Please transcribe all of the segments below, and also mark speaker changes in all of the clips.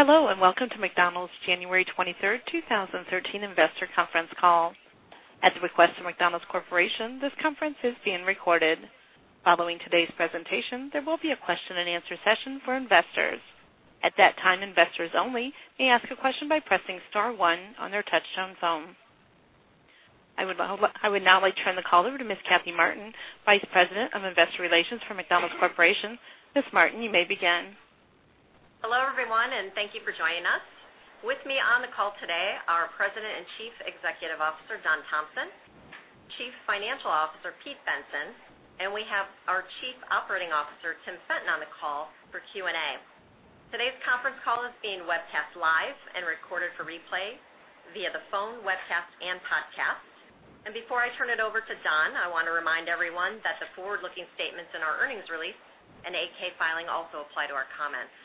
Speaker 1: Hello, welcome to McDonald's January 23rd, 2013 investor conference call. At the request of McDonald's Corporation, this conference is being recorded. Following today's presentation, there will be a question-and-answer session for investors. At that time, investors only may ask a question by pressing star one on their touch-tone phone. I would now like to turn the call over to Miss Kathy Martin, Vice President of Investor Relations for McDonald's Corporation. Miss Martin, you may begin.
Speaker 2: Hello, everyone, thank you for joining us. With me on the call today, our President and Chief Executive Officer, Don Thompson, Chief Financial Officer, Peter Bensen, and we have our Chief Operating Officer, Tim Fenton, on the call for Q&A. Today's conference call is being webcast live and recorded for replay via the phone, webcast, and podcast. Before I turn it over to Don, I want to remind everyone that the forward-looking statements in our earnings release and 8-K filing also apply to our comments.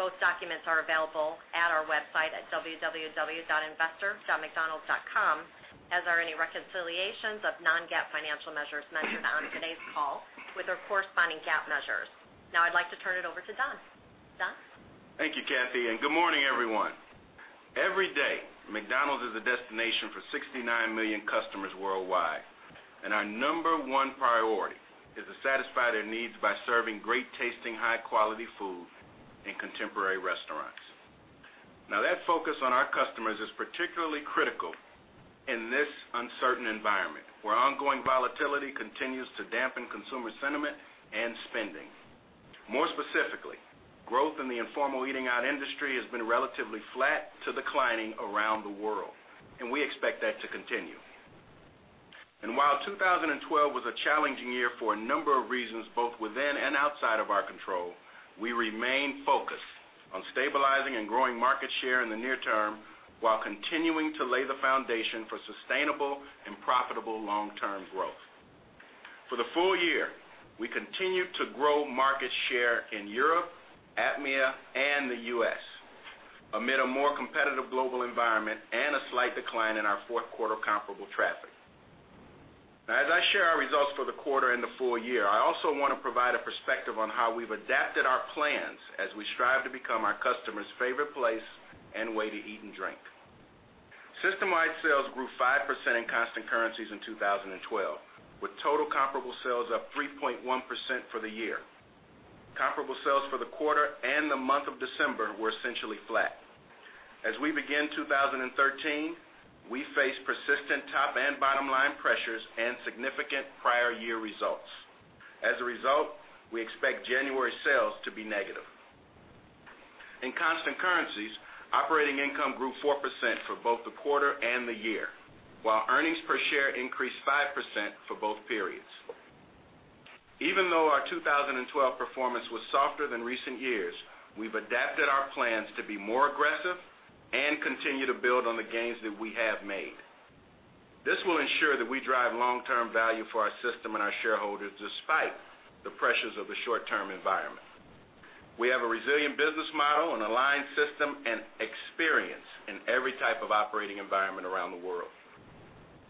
Speaker 2: Both documents are available at our website at www.investor.mcdonalds.com, as are any reconciliations of non-GAAP financial measures mentioned on today's call with their corresponding GAAP measures. Now I'd like to turn it over to Don. Don?
Speaker 3: Thank you, Kathy, good morning, everyone. Every day, McDonald's is a destination for 69 million customers worldwide, and our number 1 priority is to satisfy their needs by serving great-tasting, high-quality food in contemporary restaurants. Now, that focus on our customers is particularly critical in this uncertain environment, where ongoing volatility continues to dampen consumer sentiment and spending. More specifically, growth in the informal eating-out industry has been relatively flat to declining around the world, and we expect that to continue. While 2012 was a challenging year for a number of reasons, both within and outside of our control, we remain focused on stabilizing and growing market share in the near term while continuing to lay the foundation for sustainable and profitable long-term growth. For the full year, we continued to grow market share in Europe, APMEA, and the U.S. amid a more competitive global environment and a slight decline in our fourth quarter comparable traffic. Now, as I share our results for the quarter and the full year, I also want to provide a perspective on how we've adapted our plans as we strive to become our customers' favorite place and way to eat and drink. Systemwide sales grew 5% in constant currencies in 2012, with total comparable sales up 3.1% for the year. Comparable sales for the quarter and the month of December were essentially flat. As we begin 2013, we face persistent top-and-bottom-line pressures and significant prior year results. As a result, we expect January sales to be negative. In constant currencies, operating income grew 4% for both the quarter and the year, while earnings per share increased 5% for both periods. Even though our 2012 performance was softer than recent years, we've adapted our plans to be more aggressive and continue to build on the gains that we have made. This will ensure that we drive long-term value for our system and our shareholders, despite the pressures of the short-term environment. We have a resilient business model, an aligned system, and experience in every type of operating environment around the world.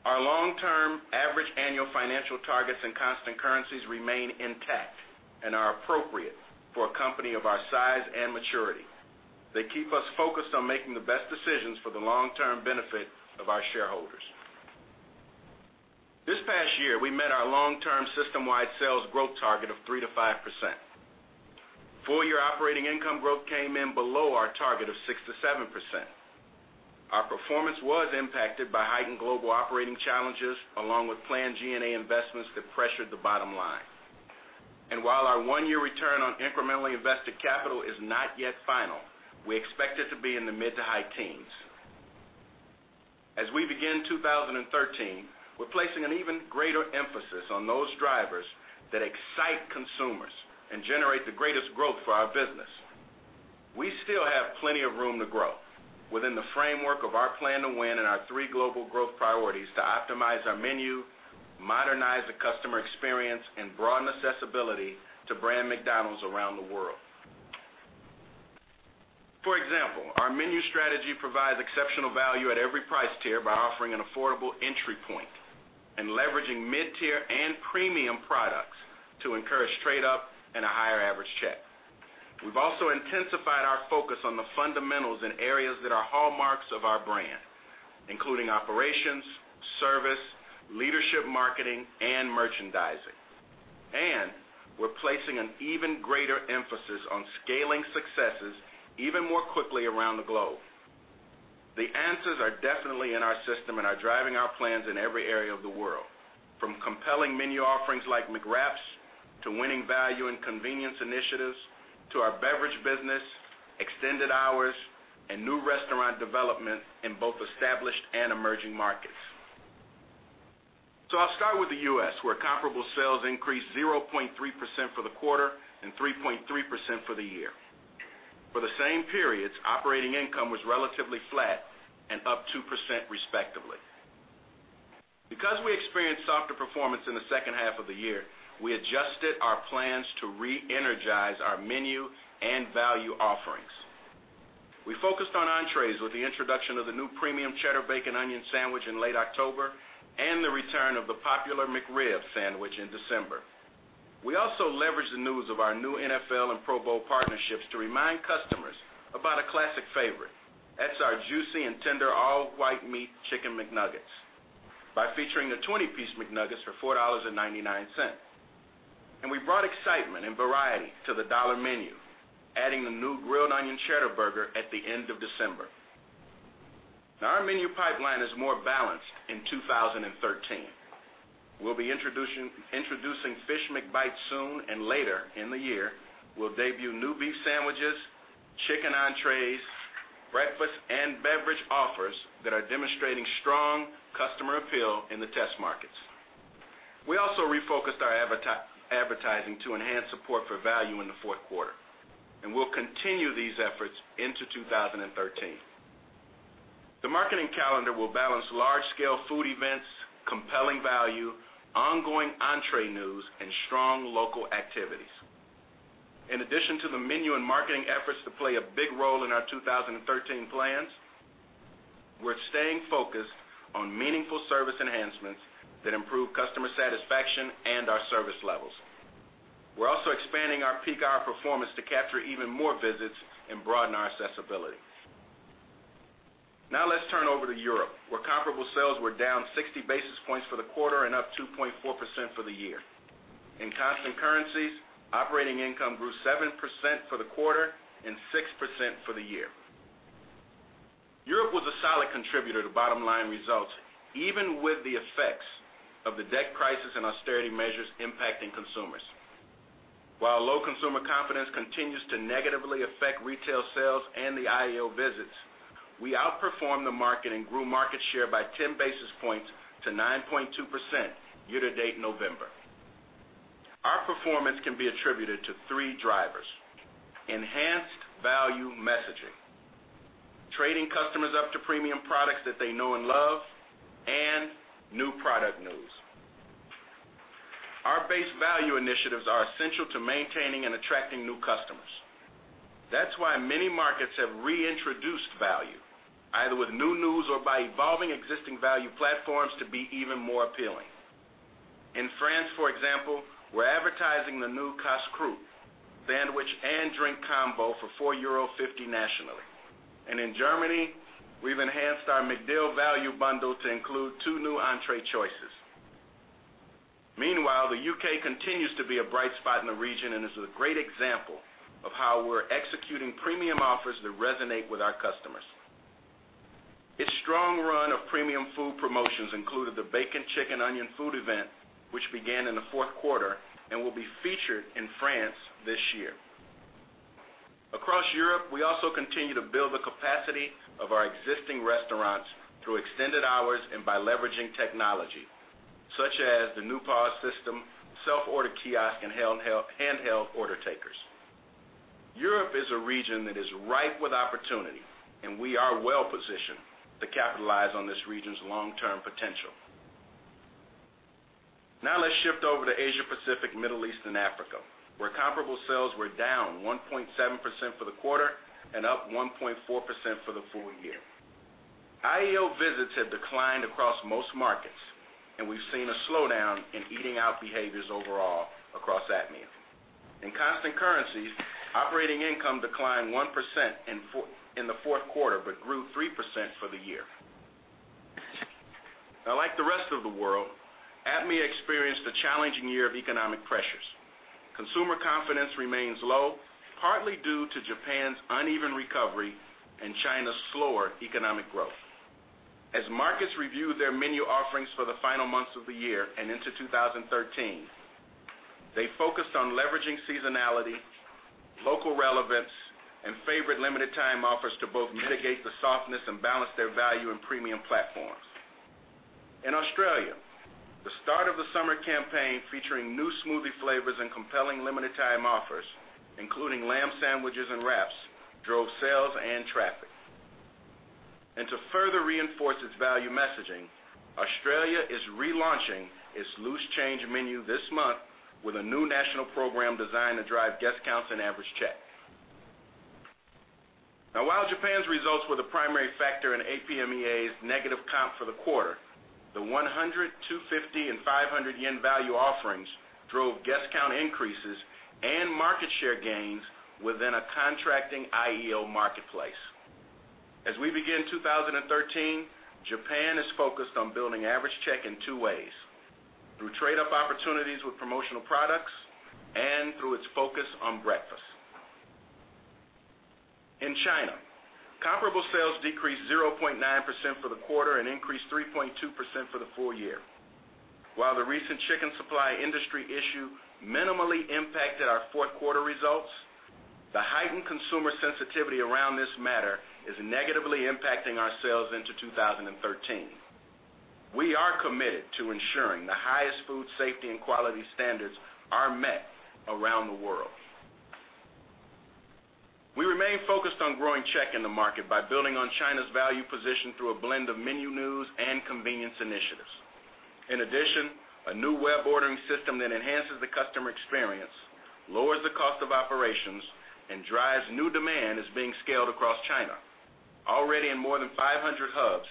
Speaker 3: Our long-term average annual financial targets in constant currencies remain intact and are appropriate for a company of our size and maturity. They keep us focused on making the best decisions for the long-term benefit of our shareholders. This past year, we met our long-term systemwide sales growth target of 3%-5%. Full-year operating income growth came in below our target of 6%-7%. Our performance was impacted by heightened global operating challenges, along with planned G&A investments that pressured the bottom line. While our one-year return on incrementally invested capital is not yet final, we expect it to be in the mid to high teens. As we begin 2013, we're placing an even greater emphasis on those drivers that excite consumers and generate the greatest growth for our business. We still have plenty of room to grow within the framework of our Plan to Win and our three global growth priorities to optimize our menu, modernize the customer experience, and broaden accessibility to brand McDonald's around the world. For example, our menu strategy provides exceptional value at every price tier by offering an affordable entry point and leveraging mid-tier and premium products to encourage straight-up and a higher average check. We've also intensified our focus on the fundamentals in areas that are hallmarks of our brand, including operations, service, leadership, marketing, and merchandising. We're placing an even greater emphasis on scaling successes even more quickly around the globe. The answers are definitely in our system and are driving our plans in every area of the world, from compelling menu offerings like McWraps to winning value and convenience initiatives to our beverage business, extended hours, and new restaurant development in both established and emerging markets. I'll start with the U.S., where comparable sales increased 0.3% for the quarter and 3.3% for the year. For the same periods, operating income was relatively flat and up 2% respectively. Because we experienced softer performance in the second half of the year, we adjusted our plans to re-energize our menu and value offerings. We focused on entrees with the introduction of the new premium Cheddar Bacon Onion sandwich in late October and the return of the popular McRib sandwich in December. We also leveraged the news of our new NFL and Pro Bowl partnerships to remind customers about a classic favorite. That's our juicy and tender all-white meat Chicken McNuggets, by featuring the 20 piece McNuggets for $4.99. We brought excitement and variety to the Dollar Menu, adding the new Grilled Onion Cheddar Burger at the end of December. Our menu pipeline is more balanced in 2013. We'll be introducing Fish McBites soon, and later in the year, we'll debut new beef sandwiches, chicken entrees, breakfast and beverage offers that are demonstrating strong customer appeal in the test markets. We also refocused our advertising to enhance support for value in the fourth quarter, and we'll continue these efforts into 2013. The marketing calendar will balance large scale food events, compelling value, ongoing entree news, and strong local activities. In addition to the menu and marketing efforts to play a big role in our 2013 plans, we're staying focused on meaningful service enhancements that improve customer satisfaction and our service levels. We're also expanding our peak hour performance to capture even more visits and broaden our accessibility. Now let's turn over to Europe, where comparable sales were down 60 basis points for the quarter and up 2.4% for the year. In constant currencies, operating income grew 7% for the quarter and 6% for the year. Europe was a solid contributor to bottom-line results, even with the effects of the debt crisis and austerity measures impacting consumers. While low consumer confidence continues to negatively affect retail sales and the IEO visits, we outperformed the market and grew market share by 10 basis points to 9.2% year-to-date November. Our performance can be attributed to three drivers: enhanced value messaging, trading customers up to premium products that they know and love, and new product news. Our base value initiatives are essential to maintaining and attracting new customers. That's why many markets have reintroduced value, either with new news or by evolving existing value platforms to be even more appealing. In France, for example, we're advertising the new Casse-Croûte sandwich and drink combo for €4.50 nationally. In Germany, we've enhanced our McDeal value bundle to include two new entree choices. Meanwhile, the U.K. continues to be a bright spot in the region and is a great example of how we're executing premium offers that resonate with our customers. Its strong run of premium food promotions included the Cheddar Bacon Onion food event, which began in the fourth quarter and will be featured in France this year. Across Europe, we also continue to build the capacity of our existing restaurants through extended hours and by leveraging technology such as the new POS system, self-order kiosk, and handheld order takers. Europe is a region that is ripe with opportunity, and we are well positioned to capitalize on this region's long-term potential. Now let's shift over to Asia Pacific, Middle East and Africa, where comparable sales were down 1.7% for the quarter and up 1.4% for the full year. IEO visits have declined across most markets, and we've seen a slowdown in eating out behaviors overall across APMEA. In constant currencies, operating income declined 1% in the fourth quarter but grew 3% for the year. Now, like the rest of the world, APMEA experienced a challenging year of economic pressures. Consumer confidence remains low, partly due to Japan's uneven recovery and China's slower economic growth. As markets review their menu offerings for the final months of the year and into 2013, they focused on leveraging seasonality, local relevance, and favorite limited time offers to both mitigate the softness and balance their value and premium platforms. In Australia, the start of the summer campaign featuring new smoothie flavors and compelling limited time offers, including lamb sandwiches and wraps, drove sales and traffic. To further reinforce its value messaging, Australia is relaunching its Loose Change Menu this month with a new national program designed to drive guest counts and average check. While Japan's results were the primary factor in APMEA's negative comp for the quarter, the ¥100, ¥250, and ¥500 value offerings drove guest count increases and market share gains within a contracting IEO marketplace. As we begin 2013, Japan is focused on building average check in two ways: through trade up opportunities with promotional products and through its focus on breakfast. In China, comparable sales decreased 0.9% for the quarter and increased 3.2% for the full year. While the recent chicken supply industry issue minimally impacted our fourth quarter results, the heightened consumer sensitivity around this matter is negatively impacting our sales into 2013. We are committed to ensuring the highest food safety and quality standards are met around the world. We remain focused on growing check in the market by building on China's value position through a blend of menu news and convenience initiatives. In addition, a new web ordering system that enhances the customer experience, lowers the cost of operations, and drives new demand is being scaled across China. Already in more than 500 hubs,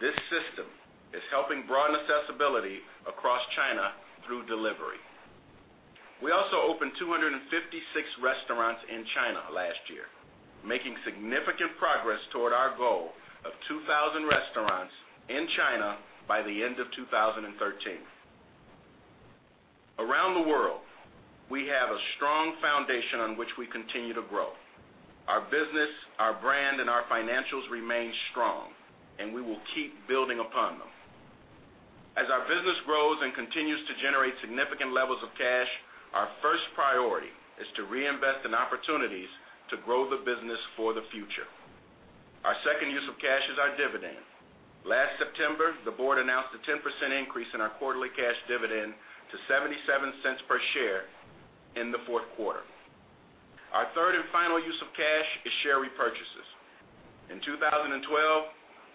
Speaker 3: this system is helping broaden accessibility across China through delivery. We also opened 256 restaurants in China last year, making significant progress toward our goal of 2,000 restaurants in China by the end of 2013. Around the world, we have a strong foundation on which we continue to grow. Our business, our brand, and our financials remain strong, and we will keep building upon them. As our business grows and continues to generate significant levels of cash, our first priority is to reinvest in opportunities to grow the business for the future. Our second use of cash is our dividend. Last September, the board announced a 10% increase in our quarterly cash dividend to $0.77 per share in the fourth quarter. Our third and final use of cash is share repurchases. In 2012,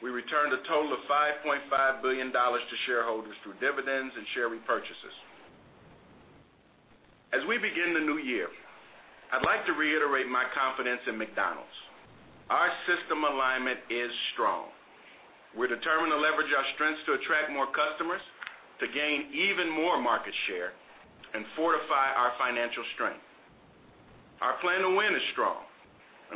Speaker 3: we returned a total of $5.5 billion to shareholders through dividends and share repurchases. As we begin the new year, I'd like to reiterate my confidence in McDonald's. Our system alignment is strong. We're determined to leverage our strengths to attract more customers, to gain even more market share, and fortify our financial strength. Our Plan to Win is strong,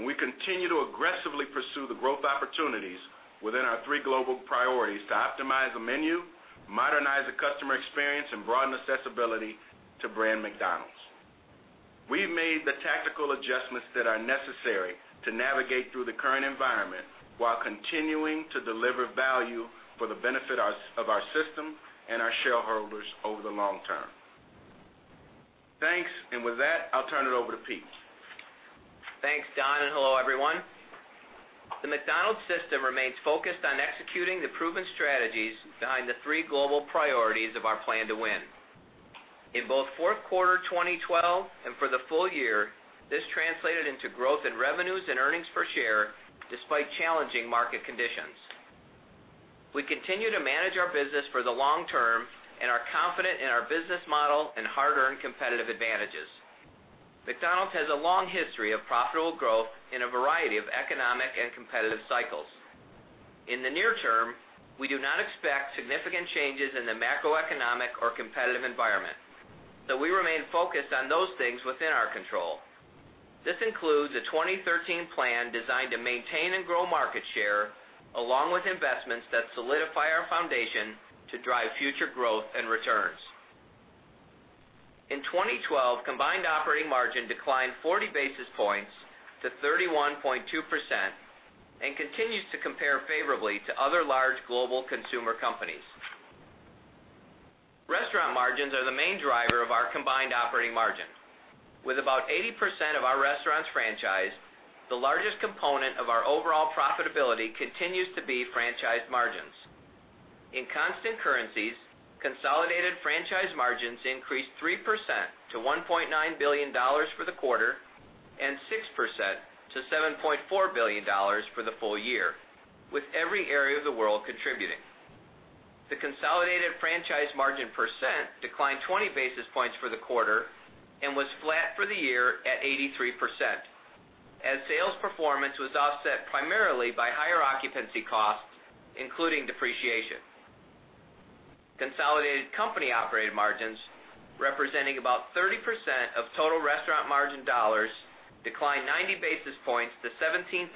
Speaker 3: we continue to aggressively pursue the growth opportunities within our three global priorities to optimize the menu, modernize the customer experience, and broaden accessibility to brand McDonald's. We've made the tactical adjustments that are necessary to navigate through the current environment while continuing to deliver value for the benefit of our system and our shareholders over the long term. Thanks. With that, I'll turn it over to Pete.
Speaker 4: Thanks, Don, and hello, everyone. The McDonald's system remains focused on executing the proven strategies behind the three global priorities of our Plan to Win. In both fourth quarter 2012 and for the full year, this translated into growth in revenues and earnings per share despite challenging market conditions. We continue to manage our business for the long term and are confident in our business model and hard-earned competitive advantages. McDonald's has a long history of profitable growth in a variety of economic and competitive cycles. In the near term, we do not expect significant changes in the macroeconomic or competitive environment. We remain focused on those things within our control. This includes a 2013 plan designed to maintain and grow market share, along with investments that solidify our foundation to drive future growth and returns. In 2012, combined operating margin declined 40 basis points to 31.2% and continues to compare favorably to other large global consumer companies. Restaurant margins are the main driver of our combined operating margin. With about 80% of our restaurants franchised, the largest component of our overall profitability continues to be franchise margins. In constant currencies, consolidated franchise margins increased 3% to $1.9 billion for the quarter and 6% to $7.4 billion for the full year, with every area of the world contributing. The consolidated franchise margin percent declined 20 basis points for the quarter and was flat for the year at 83%, as sales performance was offset primarily by higher occupancy costs, including depreciation. Consolidated company-operated margins, representing about 30% of total restaurant margin dollars, declined 90 basis points to 17.8%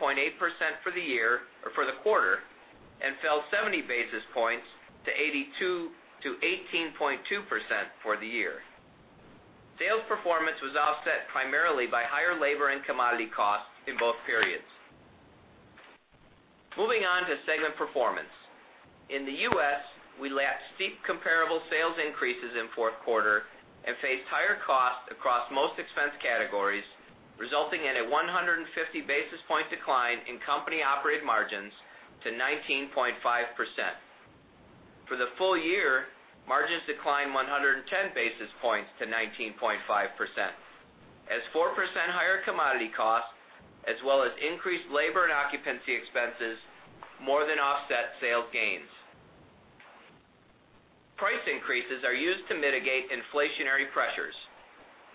Speaker 4: for the quarter and fell 70 basis points to 18.2% for the year. Sales performance was offset primarily by higher labor and commodity costs in both periods. Moving on to segment performance. In the U.S., we lapped steep comparable sales increases in fourth quarter and faced higher costs across most expense categories, resulting in a 150 basis point decline in company-operated margins to 19.5%. For the full year, margins declined 110 basis points to 19.5%, as 4% higher commodity costs as well as increased labor and occupancy expenses more than offset sales gains. Price increases are used to mitigate inflationary pressures.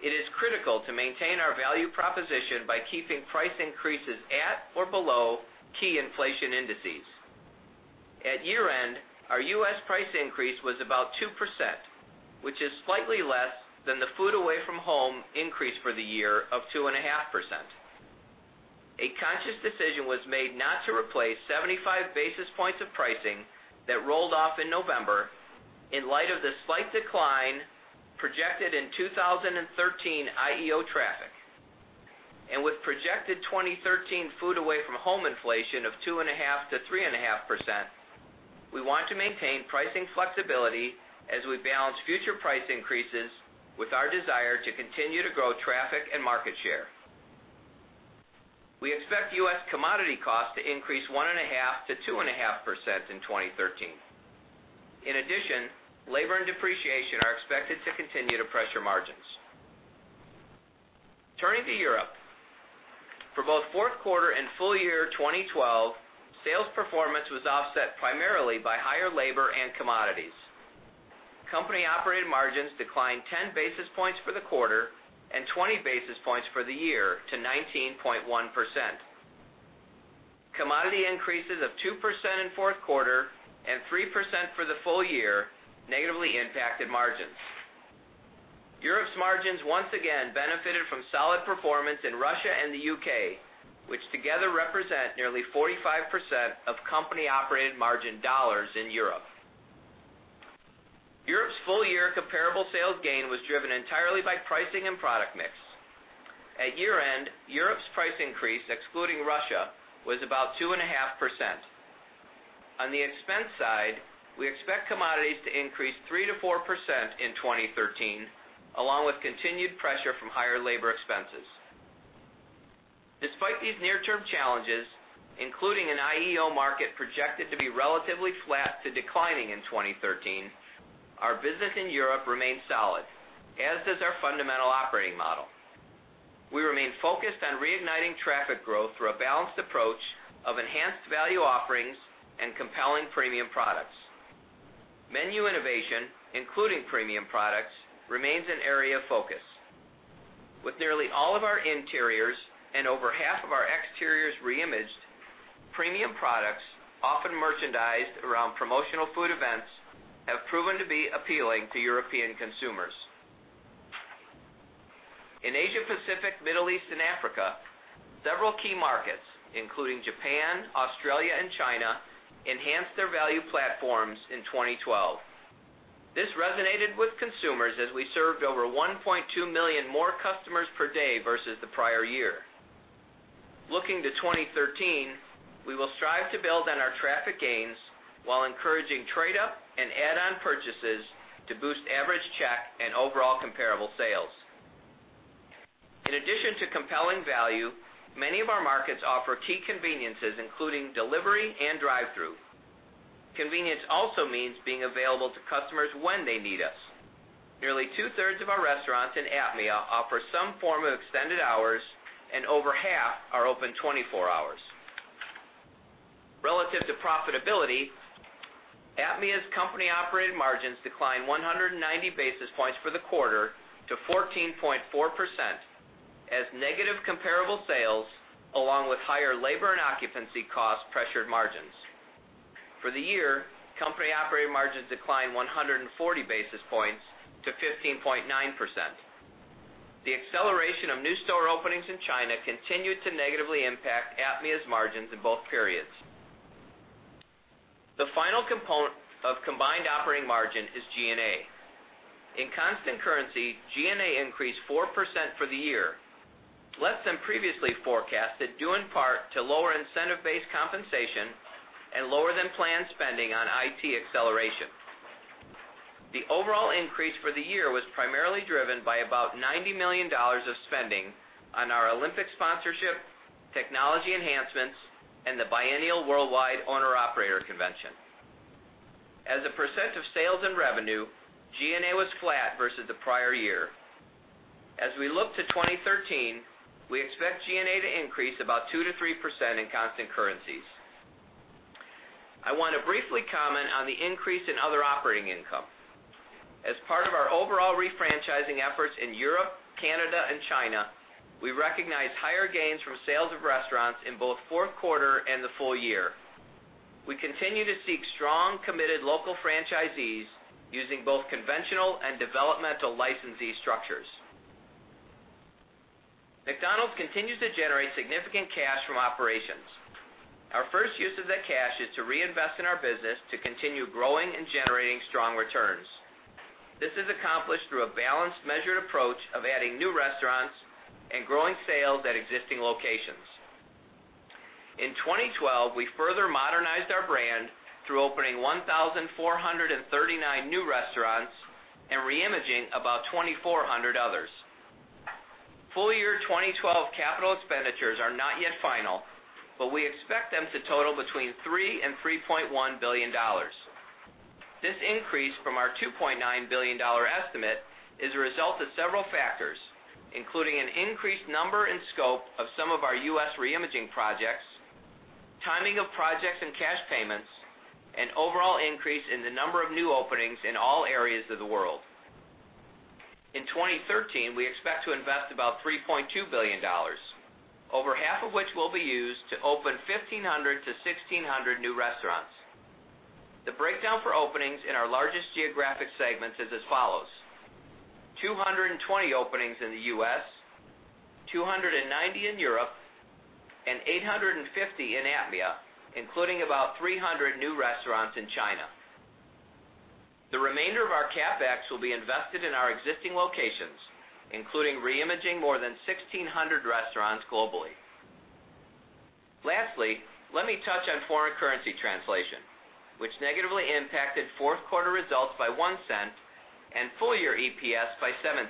Speaker 4: It is critical to maintain our value proposition by keeping price increases at or below key inflation indices. At year-end, our U.S. price increase was about 2%, which is slightly less than the food away from home increase for the year of 2.5%. A conscious decision was made not to replace 75 basis points of pricing that rolled off in November in light of the slight decline projected in 2013 IEO traffic. With projected 2013 food away from home inflation of 2.5%-3.5%, we want to maintain pricing flexibility as we balance future price increases with our desire to continue to grow traffic and market share. We expect U.S. commodity costs to increase 1.5%-2.5% in 2013. In addition, labor and depreciation are expected to continue to pressure margins. Turning to Europe. For both fourth quarter and full year 2012, sales performance was offset primarily by higher labor and commodities. Company-operated margins declined 10 basis points for the quarter and 20 basis points for the year to 19.1%. Commodity increases of 2% in fourth quarter and 3% for the full year negatively impacted margins. Europe's margins once again benefited from solid performance in Russia and the U.K., which together represent nearly 45% of company-operated margin dollars in Europe. Europe's full-year comparable sales gain was driven entirely by pricing and product mix. At year-end, Europe's price increase, excluding Russia, was about 2.5%. On the expense side, we expect commodities to increase 3%-4% in 2013, along with continued pressure from higher labor expenses. Despite these near-term challenges, including an IEO market projected to be relatively flat to declining in 2013, our business in Europe remains solid, as does our fundamental operating model. We remain focused on reigniting traffic growth through a balanced approach of enhanced value offerings and compelling premium products. Menu innovation, including premium products, remains an area of focus. With nearly all of our interiors and over half of our exteriors reimaged, premium products, often merchandised around promotional food events, have proven to be appealing to European consumers. In Asia Pacific, Middle East, and Africa, several key markets, including Japan, Australia, and China, enhanced their value platforms in 2012. This resonated with consumers as we served over 1.2 million more customers per day versus the prior year. Looking to 2013, we will strive to build on our traffic gains while encouraging trade-up and add-on purchases to boost average check and overall comparable sales. In addition to compelling value, many of our markets offer key conveniences, including delivery and drive-thru. Convenience also means being available to customers when they need us. Nearly two-thirds of our restaurants in APMEA offer some form of extended hours, and over half are open 24 hours. Relative to profitability, APMEA's company-operated margins declined 190 basis points for the quarter to 14.4% as negative comparable sales along with higher labor and occupancy costs pressured margins. For the year, company-operated margins declined 140 basis points to 15.9%. The acceleration of new store openings in China continued to negatively impact APMEA's margins in both periods. The final component of combined operating margin is G&A. In constant currency, G&A increased 4% for the year, less than previously forecasted, due in part to lower incentive-based compensation and lower than planned spending on IT acceleration. The overall increase for the year was primarily driven by about $90 million of spending on our Olympic sponsorship, technology enhancements, and the biennial worldwide owner-operator convention. As a percent of sales and revenue, G&A was flat versus the prior year. As we look to 2013, we expect G&A to increase about 2%-3% in constant currencies. I want to briefly comment on the increase in other operating income. As part of our overall refranchising efforts in Europe, Canada, and China, we recognize higher gains from sales of restaurants in both fourth quarter and the full year. We continue to seek strong, committed local franchisees using both conventional and developmental licensee structures. McDonald's continues to generate significant cash from operations. Our first use of that cash is to reinvest in our business to continue growing and generating strong returns. This is accomplished through a balanced, measured approach of adding new restaurants and growing sales at existing locations. In 2012, we further modernized our brand through opening 1,439 new restaurants and reimaging about 2,400 others. Full-year 2012 capital expenditures are not yet final, but we expect them to total between $3 billion and $3.1 billion. This increase from our $2.9 billion estimate is a result of several factors, including an increased number and scope of some of our U.S. reimaging projects, timing of projects and cash payments, and overall increase in the number of new openings in all areas of the world. In 2013, we expect to invest about $3.2 billion, over half of which will be used to open 1,500-1,600 new restaurants. The breakdown for openings in our largest geographic segments is as follows: 220 openings in the U.S., 290 in Europe, and 850 in APMEA, including about 300 new restaurants in China. The remainder of our CapEx will be invested in our existing locations, including reimaging more than 1,600 restaurants globally. Lastly, let me touch on foreign currency translation, which negatively impacted fourth quarter results by $0.01 and full year EPS by $0.17.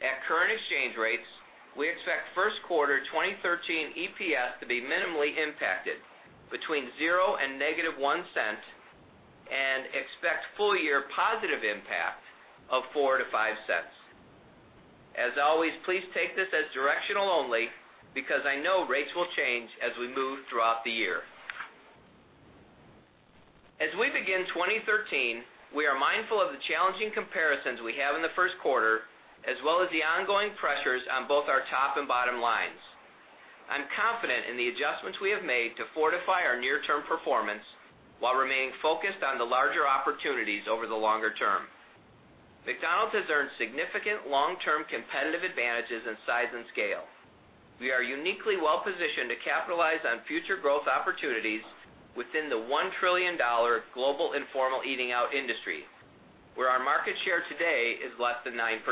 Speaker 4: At current exchange rates, we expect first quarter 2013 EPS to be minimally impacted between zero and -$0.01 and expect full year positive impact of $0.04-$0.05. As always, please take this as directional only because I know rates will change as we move throughout the year. As we begin 2013, we are mindful of the challenging comparisons we have in the first quarter, as well as the ongoing pressures on both our top and bottom lines. I'm confident in the adjustments we have made to fortify our near-term performance while remaining focused on the larger opportunities over the longer term. McDonald's has earned significant long-term competitive advantages in size and scale. We are uniquely well-positioned to capitalize on future growth opportunities within the $1 trillion global informal eating out industry, where our market share today is less than 9%.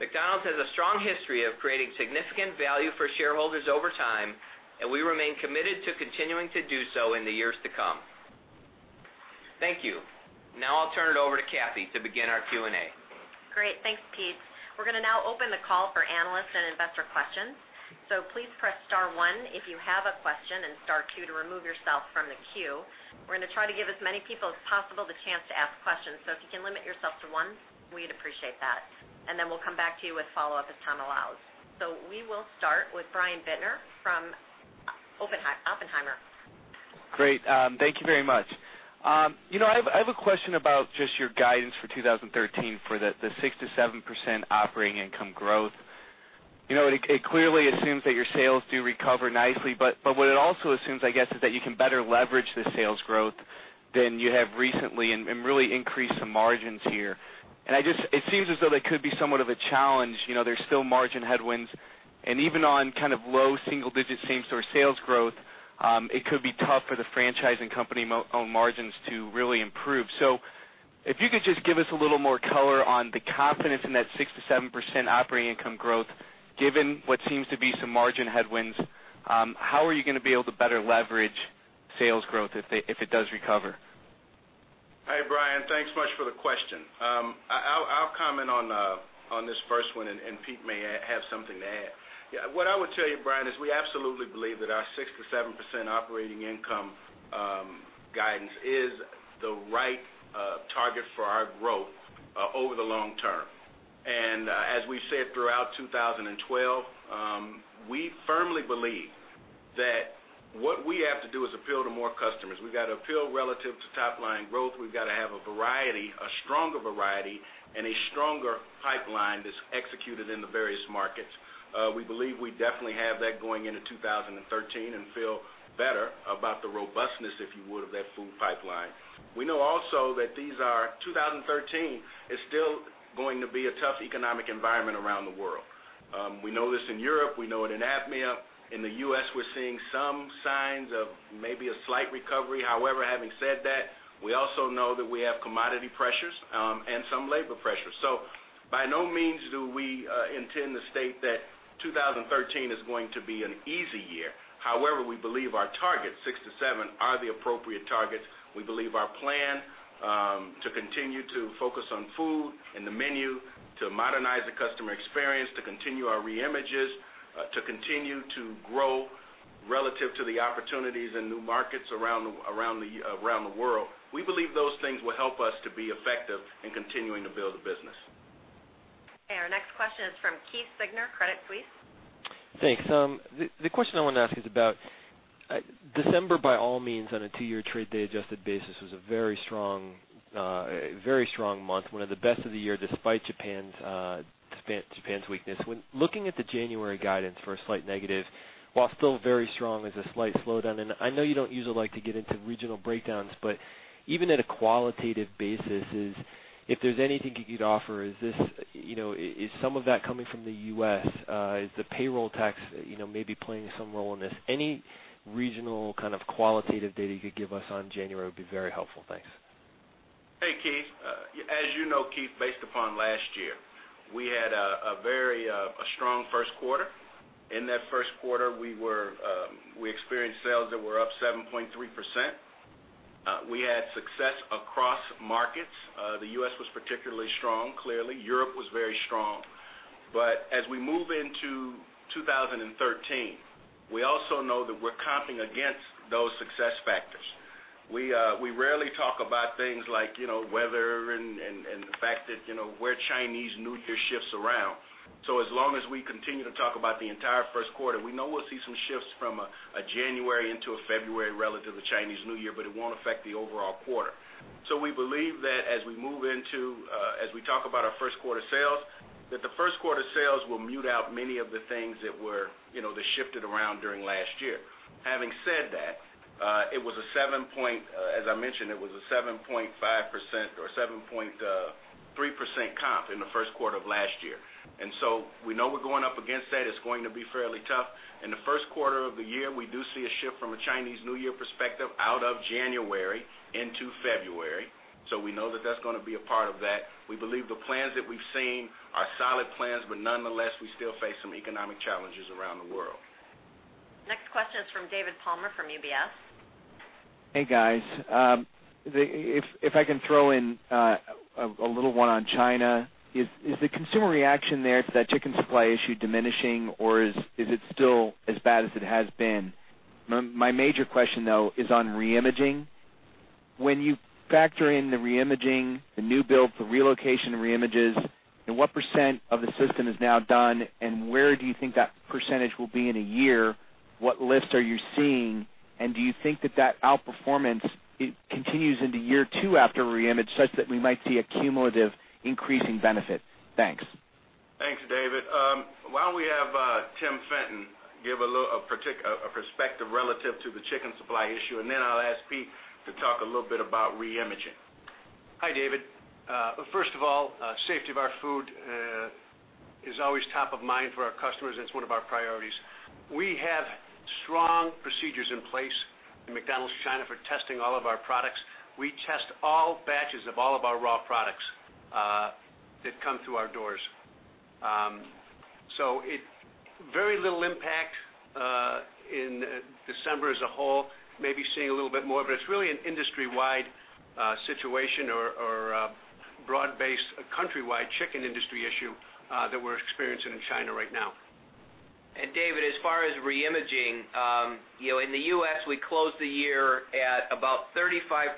Speaker 4: McDonald's has a strong history of creating significant value for shareholders over time, and we remain committed to continuing to do so in the years to come. Thank you. Now I'll turn it over to Kathy to begin our Q&A.
Speaker 2: Great. Thanks, Pete. We're going to now open the call for analyst and investor questions. Please press star one if you have a question and star two to remove yourself from the queue. We're going to try to give as many people as possible the chance to ask questions, if you can limit yourself to one, we'd appreciate that. Then we'll come back to you with follow-up as time allows. We will start with Brian Bittner from Oppenheimer.
Speaker 5: Great. Thank you very much. I have a question about just your guidance for 2013 for the 6%-7% operating income growth. It clearly assumes that your sales do recover nicely, what it also assumes, I guess, is that you can better leverage the sales growth than you have recently and really increase the margins here. It seems as though that could be somewhat of a challenge. There's still margin headwinds, and even on kind of low single-digit same-store sales growth, it could be tough for the franchise and company-owned margins to really improve. If you could just give us a little more color on the confidence in that 6%-7% operating income growth, given what seems to be some margin headwinds, how are you going to be able to better leverage sales growth if it does recover?
Speaker 3: Hi, Brian. Thanks much for the question. I'll comment on this first one, and Pete may have something to add. What I would tell you, Brian, is we absolutely believe that our 6%-7% operating income guidance is the right target for our growth over the long term. As we said throughout 2012, we firmly believe that what we have to do is appeal to more customers. We've got to appeal relative to top-line growth. We've got to have a variety, a stronger variety, and a stronger pipeline that's executed in the various markets. We believe we definitely have that going into 2013 and feel better about the robustness, if you would, of that food pipeline. We know also that 2013 is still going to be a tough economic environment around the world. We know this in Europe. We know it in APMEA. In the U.S., we're seeing some signs of maybe a slight recovery. However, having said that, we also know that we have commodity pressures and some labor pressures. By no means do we intend to state that 2013 is going to be an easy year. However, we believe our targets, 6%-7%, are the appropriate targets. We believe our plan to continue to focus on food and the menu, to modernize the customer experience, to continue our re-images, to continue to grow relative to the opportunities in new markets around the world. We believe those things will help us to be effective in continuing to build the business.
Speaker 2: Our next question is from Keith Siegner, Credit Suisse.
Speaker 6: Thanks. The question I want to ask is about December, by all means, on a two-year trade day adjusted basis, was a very strong month, one of the best of the year despite Japan's weakness. When looking at the January guidance for a slight negative, while still very strong, is a slight slowdown. I know you don't usually like to get into regional breakdowns, but even at a qualitative basis, if there's anything you could offer, is some of that coming from the U.S.? Is the payroll tax maybe playing some role in this? Any regional kind of qualitative data you could give us on January would be very helpful. Thanks.
Speaker 3: Hey, Keith. As you know, Keith, based upon last year, we had a very strong first quarter. In that first quarter, we experienced sales that were up 7.3%. We had success across markets. The U.S. was particularly strong, clearly. Europe was very strong. As we move into 2013, we also know that we're comping against those success factors. We rarely talk about things like weather and the fact that where Chinese New Year shifts around. As long as we continue to talk about the entire first quarter, we know we'll see some shifts from a January into a February relative to Chinese New Year, but it won't affect the overall quarter. We believe that as we talk about our first quarter sales, that the first quarter sales will mute out many of the things that shifted around during last year. Having said that, as I mentioned, it was a 7.3% comp in the first quarter of last year. We know we're going up against that. It's going to be fairly tough. In the first quarter of the year, we do see a shift from a Chinese New Year perspective out of January into February. We know that that's going to be a part of that. We believe the plans that we've seen are solid plans, nonetheless, we still face some economic challenges around the world.
Speaker 2: Next question is from David Palmer from UBS.
Speaker 7: Hey, guys. If I can throw in a little one on China, is the consumer reaction there to that chicken supply issue diminishing, or is it still as bad as it has been? My major question, though, is on re-imaging. When you factor in the reimaging, the new build for relocation reimages, what percent of the system is now done, and where do you think that percentage will be in a year? What lifts are you seeing, and do you think that that outperformance continues into year two after reimage, such that we might see a cumulative increasing benefit? Thanks.
Speaker 3: Thanks, David. Why don't we have Tim Fenton give a perspective relative to the chicken supply issue, and then I'll ask Pete to talk a little bit about reimaging.
Speaker 8: Hi, David. First of all, safety of our food is always top of mind for our customers, and it's one of our priorities. We have strong procedures in place in McDonald's China for testing all of our products. We test all batches of all of our raw products that come through our doors. Very little impact in December as a whole, maybe seeing a little bit more, but it's really an industry-wide situation or a broad-based countrywide chicken industry issue that we're experiencing in China right now.
Speaker 4: David, as far as reimaging, in the U.S., we closed the year at about 35%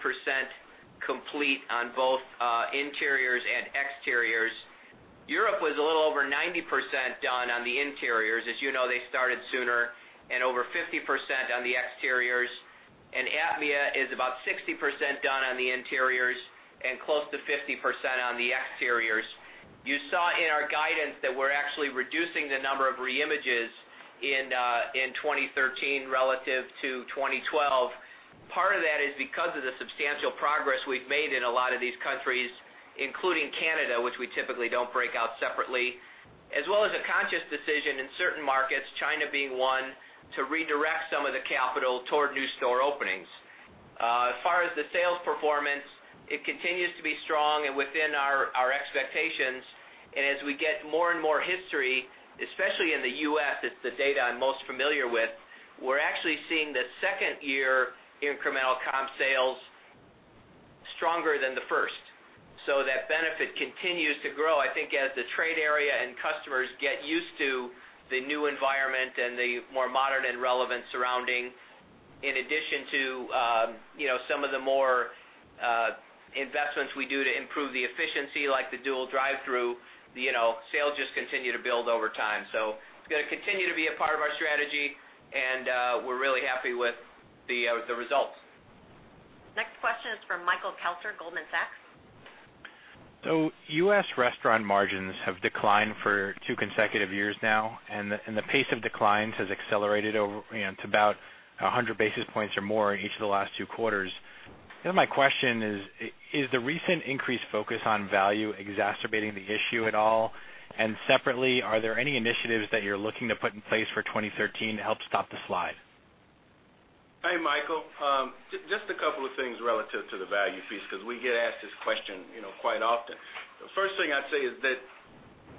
Speaker 4: complete on both interiors and exteriors. Europe was a little over 90% done on the interiors. As you know, they started sooner, and over 50% on the exteriors. APMEA is about 60% done on the interiors and close to 50% on the exteriors. You saw in our guidance that we're actually reducing the number of reimages in 2013 relative to 2012. Part of that is because of the substantial progress we've made in a lot of these countries, including Canada, which we typically don't break out separately, as well as a conscious decision in certain markets, China being one, to redirect some of the capital toward new store openings. As far as the sales performance, it continues to be strong and within our expectations. As we get more and more history, especially in the U.S., it's the data I'm most familiar with, we're actually seeing the second-year incremental comp sales stronger than the first. That benefit continues to grow, I think, as the trade area and customers get used to the new environment and the more modern and relevant surrounding. In addition to some of the more investments we do to improve the efficiency, like the dual drive-thru, sales just continue to build over time. It's going to continue to be a part of our strategy, and we're really happy with the results.
Speaker 2: Next question is from Michael Kelter, Goldman Sachs.
Speaker 9: U.S. restaurant margins have declined for two consecutive years now, and the pace of declines has accelerated over to about 100 basis points or more in each of the last two quarters. My question is the recent increased focus on value exacerbating the issue at all? Separately, are there any initiatives that you're looking to put in place for 2013 to help stop the slide?
Speaker 3: Hey, Michael. Just a couple of things relative to the value piece, because we get asked this question quite often. The first thing I'd say is that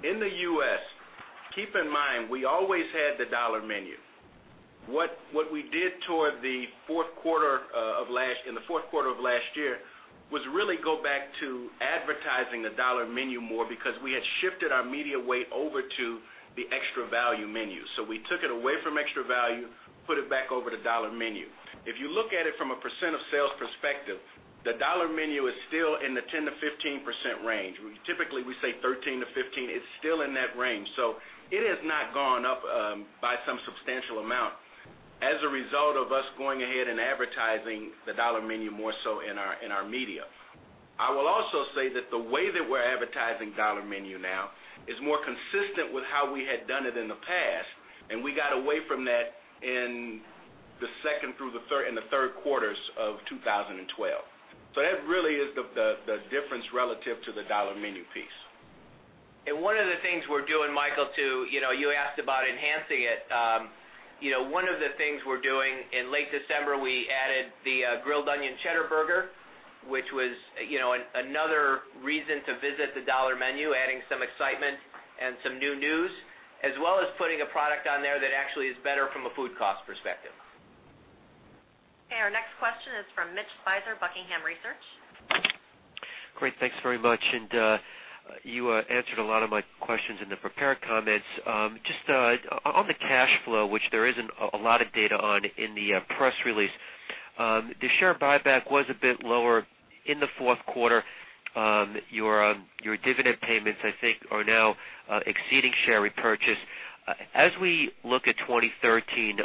Speaker 3: in the U.S., keep in mind, we always had the Dollar Menu. What we did in the fourth quarter of last year was really go back to advertising the Dollar Menu more because we had shifted our media weight over to the Extra Value Meals. We took it away from Extra Value Meals, put it back over to Dollar Menu. If you look at it from a % of sales perspective, the Dollar Menu is still in the 10%-15% range. Typically, we say 13%-15%. It's still in that range. It has not gone up by some substantial amount as a result of us going ahead and advertising the Dollar Menu more so in our media. I will also say that the way that we're advertising Dollar Menu now is more consistent with how we had done it in the past, and we got away from that in the second and the third quarters of 2012. That really is the difference relative to the Dollar Menu piece.
Speaker 4: One of the things we're doing, Michael, you asked about enhancing it. One of the things we're doing, in late December, we added the Grilled Onion Cheddar Burger, which was another reason to visit the Dollar Menu, adding some excitement and some new news, as well as putting a product on there that actually is better from a food cost perspective.
Speaker 2: Our next question is from Mitch Speiser, Buckingham Research.
Speaker 10: Great. Thanks very much. You answered a lot of my questions in the prepared comments. Just on the cash flow, which there isn't a lot of data on in the press release. The share buyback was a bit lower in the fourth quarter. Your dividend payments, I think, are now exceeding share repurchase. As we look at 2013,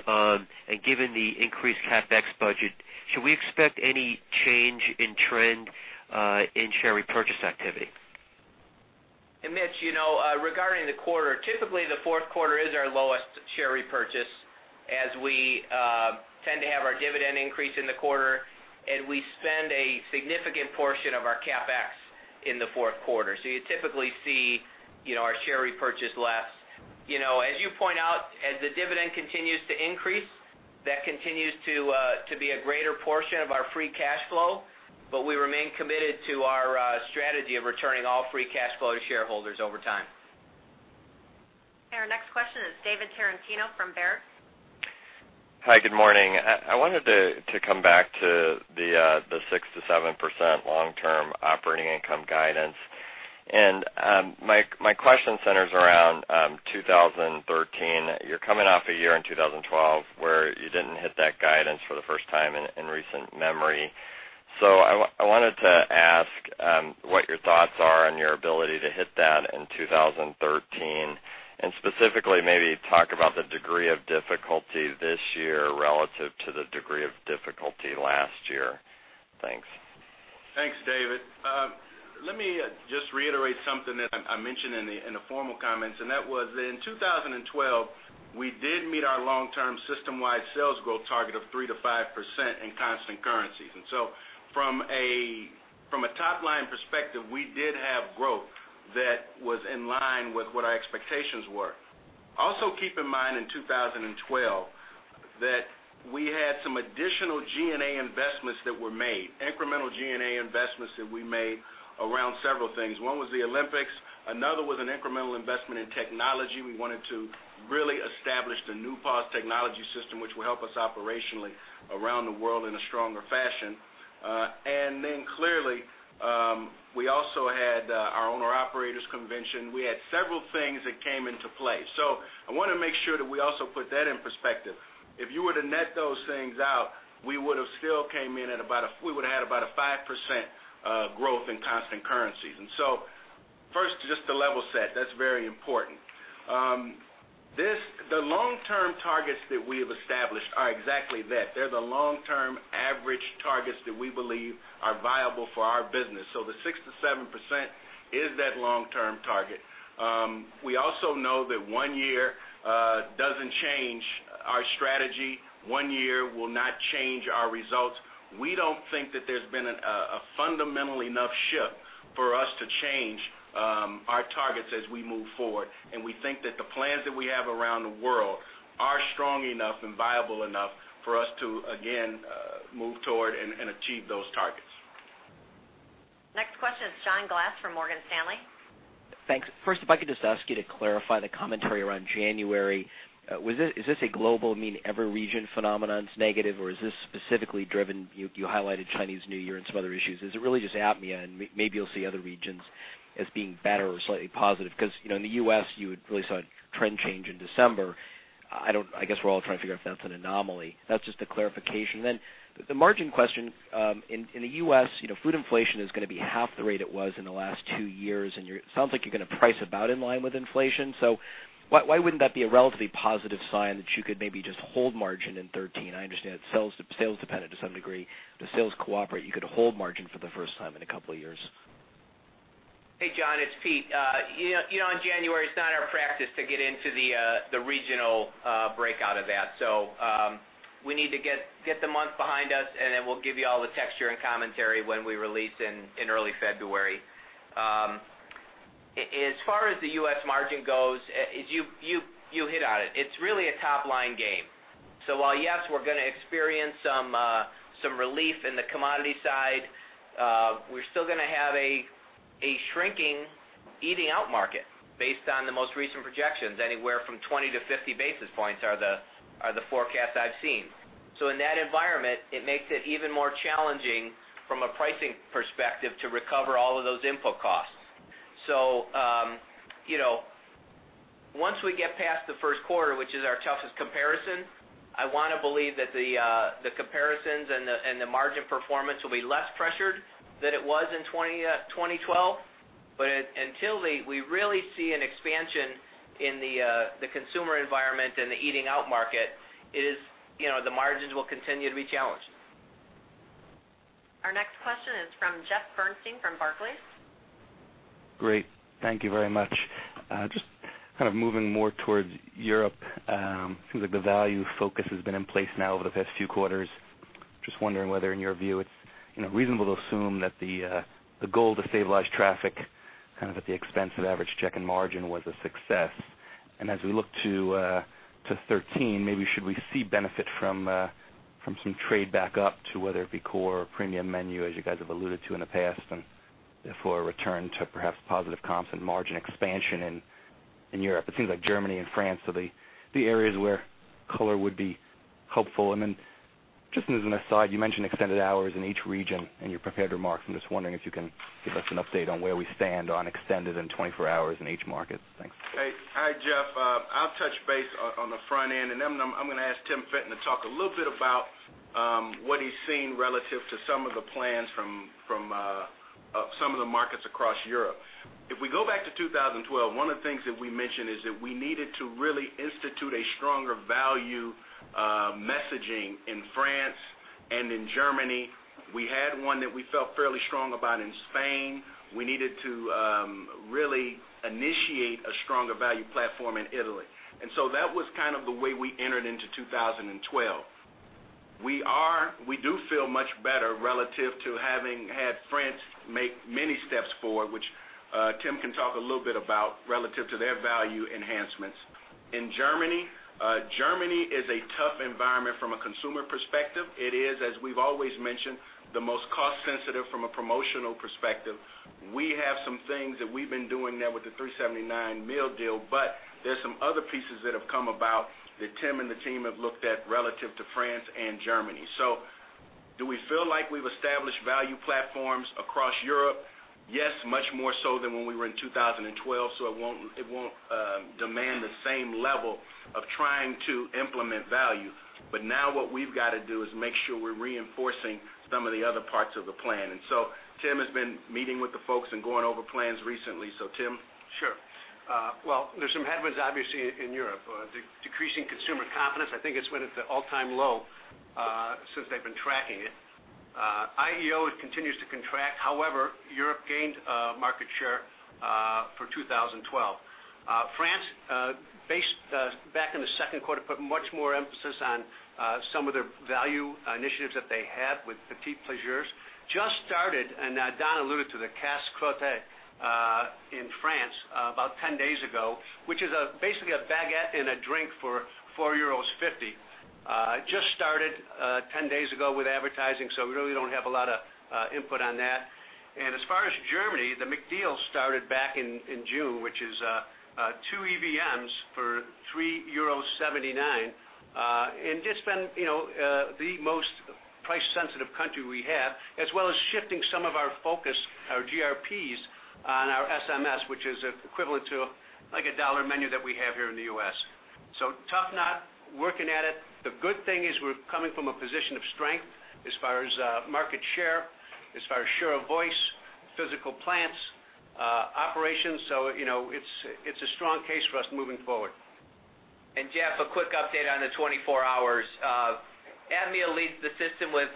Speaker 10: given the increased CapEx budget, should we expect any change in trend in share repurchase activity?
Speaker 4: Hey, Mitch, regarding the quarter, typically the fourth quarter is our lowest share repurchase, as we tend to have our dividend increase in the quarter, and we spend a significant portion of our CapEx in the fourth quarter. You typically see our share repurchase less. As you point out, as the dividend continues to increase, that continues to be a greater portion of our free cash flow, we remain committed to our strategy of returning all free cash flow to shareholders over time.
Speaker 2: Our next question is David Tarantino from Baird.
Speaker 11: Hi, good morning. I wanted to come back to the 6%-7% long-term operating income guidance. My question centers around 2013. You're coming off a year in 2012 where you didn't hit that guidance for the first time in recent memory. I wanted to ask what your thoughts are on your ability to hit that in 2013, and specifically maybe talk about the degree of difficulty this year relative to the degree of difficulty last year. Thanks.
Speaker 3: Thanks, David. Let me just reiterate something that I mentioned in the formal comments, and that was, in 2012, we did meet our long-term system-wide sales growth target of 3%-5% in constant currencies. From a top-line perspective, we did have growth that was in line with what our expectations were. Also, keep in mind, in 2012, that we had some additional G&A investments that were made, incremental G&A investments that we made around several things. One was the Olympics, another was an incremental investment in technology. We wanted to really establish the new POS technology system, which will help us operationally around the world in a stronger fashion. Clearly, we also had our owner-operators convention. We had several things that came into play. I want to make sure that we also put that in perspective. If you were to net those things out, we would've still came in at about a 5% growth in constant currencies. First, just to level set, that's very important. The long-term targets that we have established are exactly that. They're the long-term average targets that we believe are viable for our business. The 6%-7% is that long-term target. We also know that one year doesn't change our strategy. One year will not change our results. We don't think that there's been a fundamental enough shift for us to change our targets as we move forward, and we think that the plans that we have around the world are strong enough and viable enough for us to, again, move toward and achieve those targets.
Speaker 2: Next question is John Glass from Morgan Stanley.
Speaker 12: Thanks. First, if I could just ask you to clarify the commentary around January. Is this a global, meaning every region phenomenon that's negative, or is this specifically driven, you highlighted Chinese New Year and some other issues. Is it really just APMEA and maybe you'll see other regions as being better or slightly positive? In the U.S., you had really saw a trend change in December. I guess we're all trying to figure out if that's an anomaly. That's just a clarification. The margin question, in the U.S., food inflation is going to be half the rate it was in the last 2 years, and it sounds like you're going to price about in line with inflation. Why wouldn't that be a relatively positive sign that you could maybe just hold margin in 2013? I understand it's sales dependent to some degree, if sales cooperate, you could hold margin for the first time in a couple of years.
Speaker 4: Hey, John, it's Pete. On January, it's not our practice to get into the regional breakout of that. We need to get the month behind us, and then we'll give you all the texture and commentary when we release in early February. As far as the U.S. margin goes, you hit on it. It's really a top-line game. While yes, we're going to experience some relief in the commodity side, we're still going to have a shrinking eating out market based on the most recent projections. Anywhere from 20 to 50 basis points are the forecasts I've seen. In that environment, it makes it even more challenging from a pricing perspective to recover all of those input costs. Once we get past the first quarter, which is our toughest comparison, I want to believe that the comparisons and the margin performance will be less pressured than it was in 2012. Until we really see an expansion in the consumer environment and the eating out market, the margins will continue to be challenged.
Speaker 2: Our next question is from Jeffrey Bernstein from Barclays.
Speaker 13: Great. Thank you very much. Just kind of moving more towards Europe. It seems like the value focus has been in place now over the past few quarters. Just wondering whether in your view, it is reasonable to assume that the goal to stabilize traffic kind of at the expense of average check-in margin was a success. As we look to 2013, maybe should we see benefit from some trade back up to whether it be core or premium menu, as you guys have alluded to in the past, for a return to perhaps positive comps and margin expansion in Europe. It seems like Germany and France are the areas where color would be helpful. Then just as an aside, you mentioned extended hours in each region in your prepared remarks. I am just wondering if you can give us an update on where we stand on extended and 24 hours in each market. Thanks.
Speaker 3: Hey. Hi, Jeff. I will touch base on the front end, then I am going to ask Tim Fenton to talk a little bit about what he has seen relative to some of the plans from some of the markets across Europe. If we go back to 2012, one of the things that we mentioned is that we needed to really institute a stronger value messaging in France and in Germany. We had one that we felt fairly strong about in Spain. We needed to really initiate a stronger value platform in Italy. So that was kind of the way we entered into 2012. We do feel much better relative to having had France make many steps forward, which Tim can talk a little bit about relative to their value enhancements. In Germany is a tough environment from a consumer perspective. It is, as we've always mentioned, the most cost sensitive from a promotional perspective. We have some things that we've been doing there with the $3.79 meal deal, but there's some other pieces that have come about that Tim and the team have looked at relative to France and Germany. Do we feel like we've established value platforms across Europe? Yes, much more so than when we were in 2012. It won't demand the same level of trying to implement value. Now what we've got to do is make sure we're reinforcing some of the other parts of the plan. Tim has been meeting with the folks and going over plans recently. Tim?
Speaker 8: Sure. Well, there's some headwinds, obviously, in Europe. Decreasing consumer confidence, I think it's at an all-time low, since they've been tracking it. IEO, it continues to contract. However, Europe gained market share for 2012. France, back in the second quarter, put much more emphasis on some of their value initiatives that they have with P'tits Plaisirs. Just started, Don alluded to the Casse-Croûte in France about 10 days ago, which is basically a baguette and a drink for €4.50. It just started 10 days ago with advertising, so we really don't have a lot of input on that. As far as Germany, the McDeal started back in June, which is 2 EVMs for €3.79. It's been the most price-sensitive country we have, as well as shifting some of our focus, our GRPs on our SMS, which is equivalent to a Dollar Menu that we have here in the U.S. Tough nut, working at it. The good thing is we're coming from a position of strength as far as market share, as far as share of voice, physical plants, operations. It's a strong case for us moving forward.
Speaker 4: Jeff, a quick update on the 24 hours. APMEA leads the system with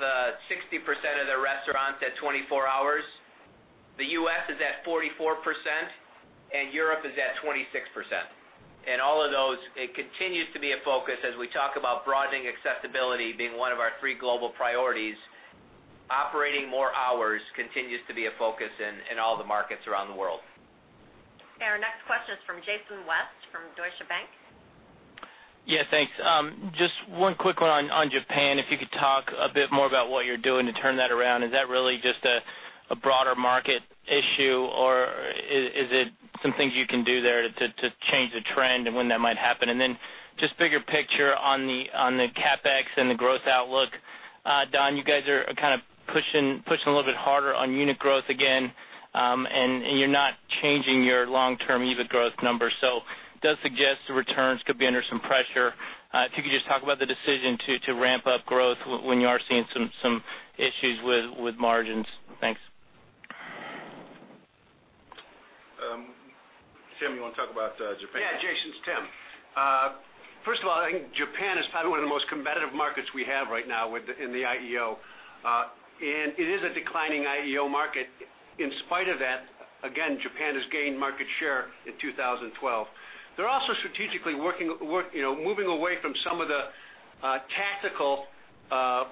Speaker 4: 60% of their restaurants at 24 hours. The U.S. is at 44% and Europe is at 26%. All of those, it continues to be a focus as we talk about broadening accessibility being one of our three global priorities. Operating more hours continues to be a focus in all the markets around the world.
Speaker 2: Our next question is from Jason West from Deutsche Bank.
Speaker 14: Yes, thanks. Just one quick one on Japan. If you could talk a bit more about what you're doing to turn that around. Is that really just a broader market issue, or is it some things you can do there to change the trend and when that might happen? Then just bigger picture on the CapEx and the growth outlook. Don, you guys are kind of pushing a little bit harder on unit growth again, and you're not changing your long-term unit growth numbers. It does suggest the returns could be under some pressure. If you could just talk about the decision to ramp up growth when you are seeing some issues with margins. Thanks.
Speaker 3: Tim, you want to talk about Japan?
Speaker 8: Yeah, Jason, it's Tim. First of all, I think Japan is probably one of the most competitive markets we have right now in the IEO. It is a declining IEO market. In spite of that, again, Japan has gained market share in 2012. They're also strategically moving away from some of the tactical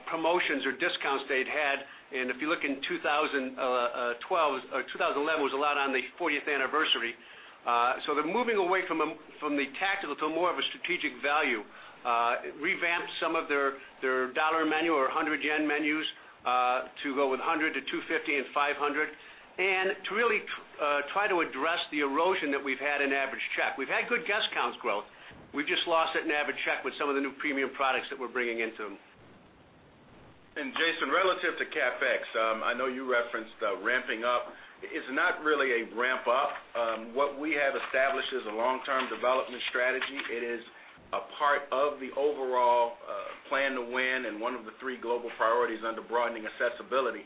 Speaker 8: promotions or discounts they'd had. If you look in 2012, or 2011 was a lot on the 40th anniversary. They're moving away from the tactical to more of a strategic value. Revamped some of their Dollar Menu or 100 yen menus, to go with 100, 250 and 500. To really try to address the erosion that we've had in average check. We've had good guest counts growth. We've just lost it in average check with some of the new premium products that we're bringing into them.
Speaker 3: Jason, relative to CapEx, I know you referenced ramping up. It's not really a ramp up. What we have established is a long-term development strategy. It is a part of the overall Plan to Win and one of the three global priorities under broadening accessibility.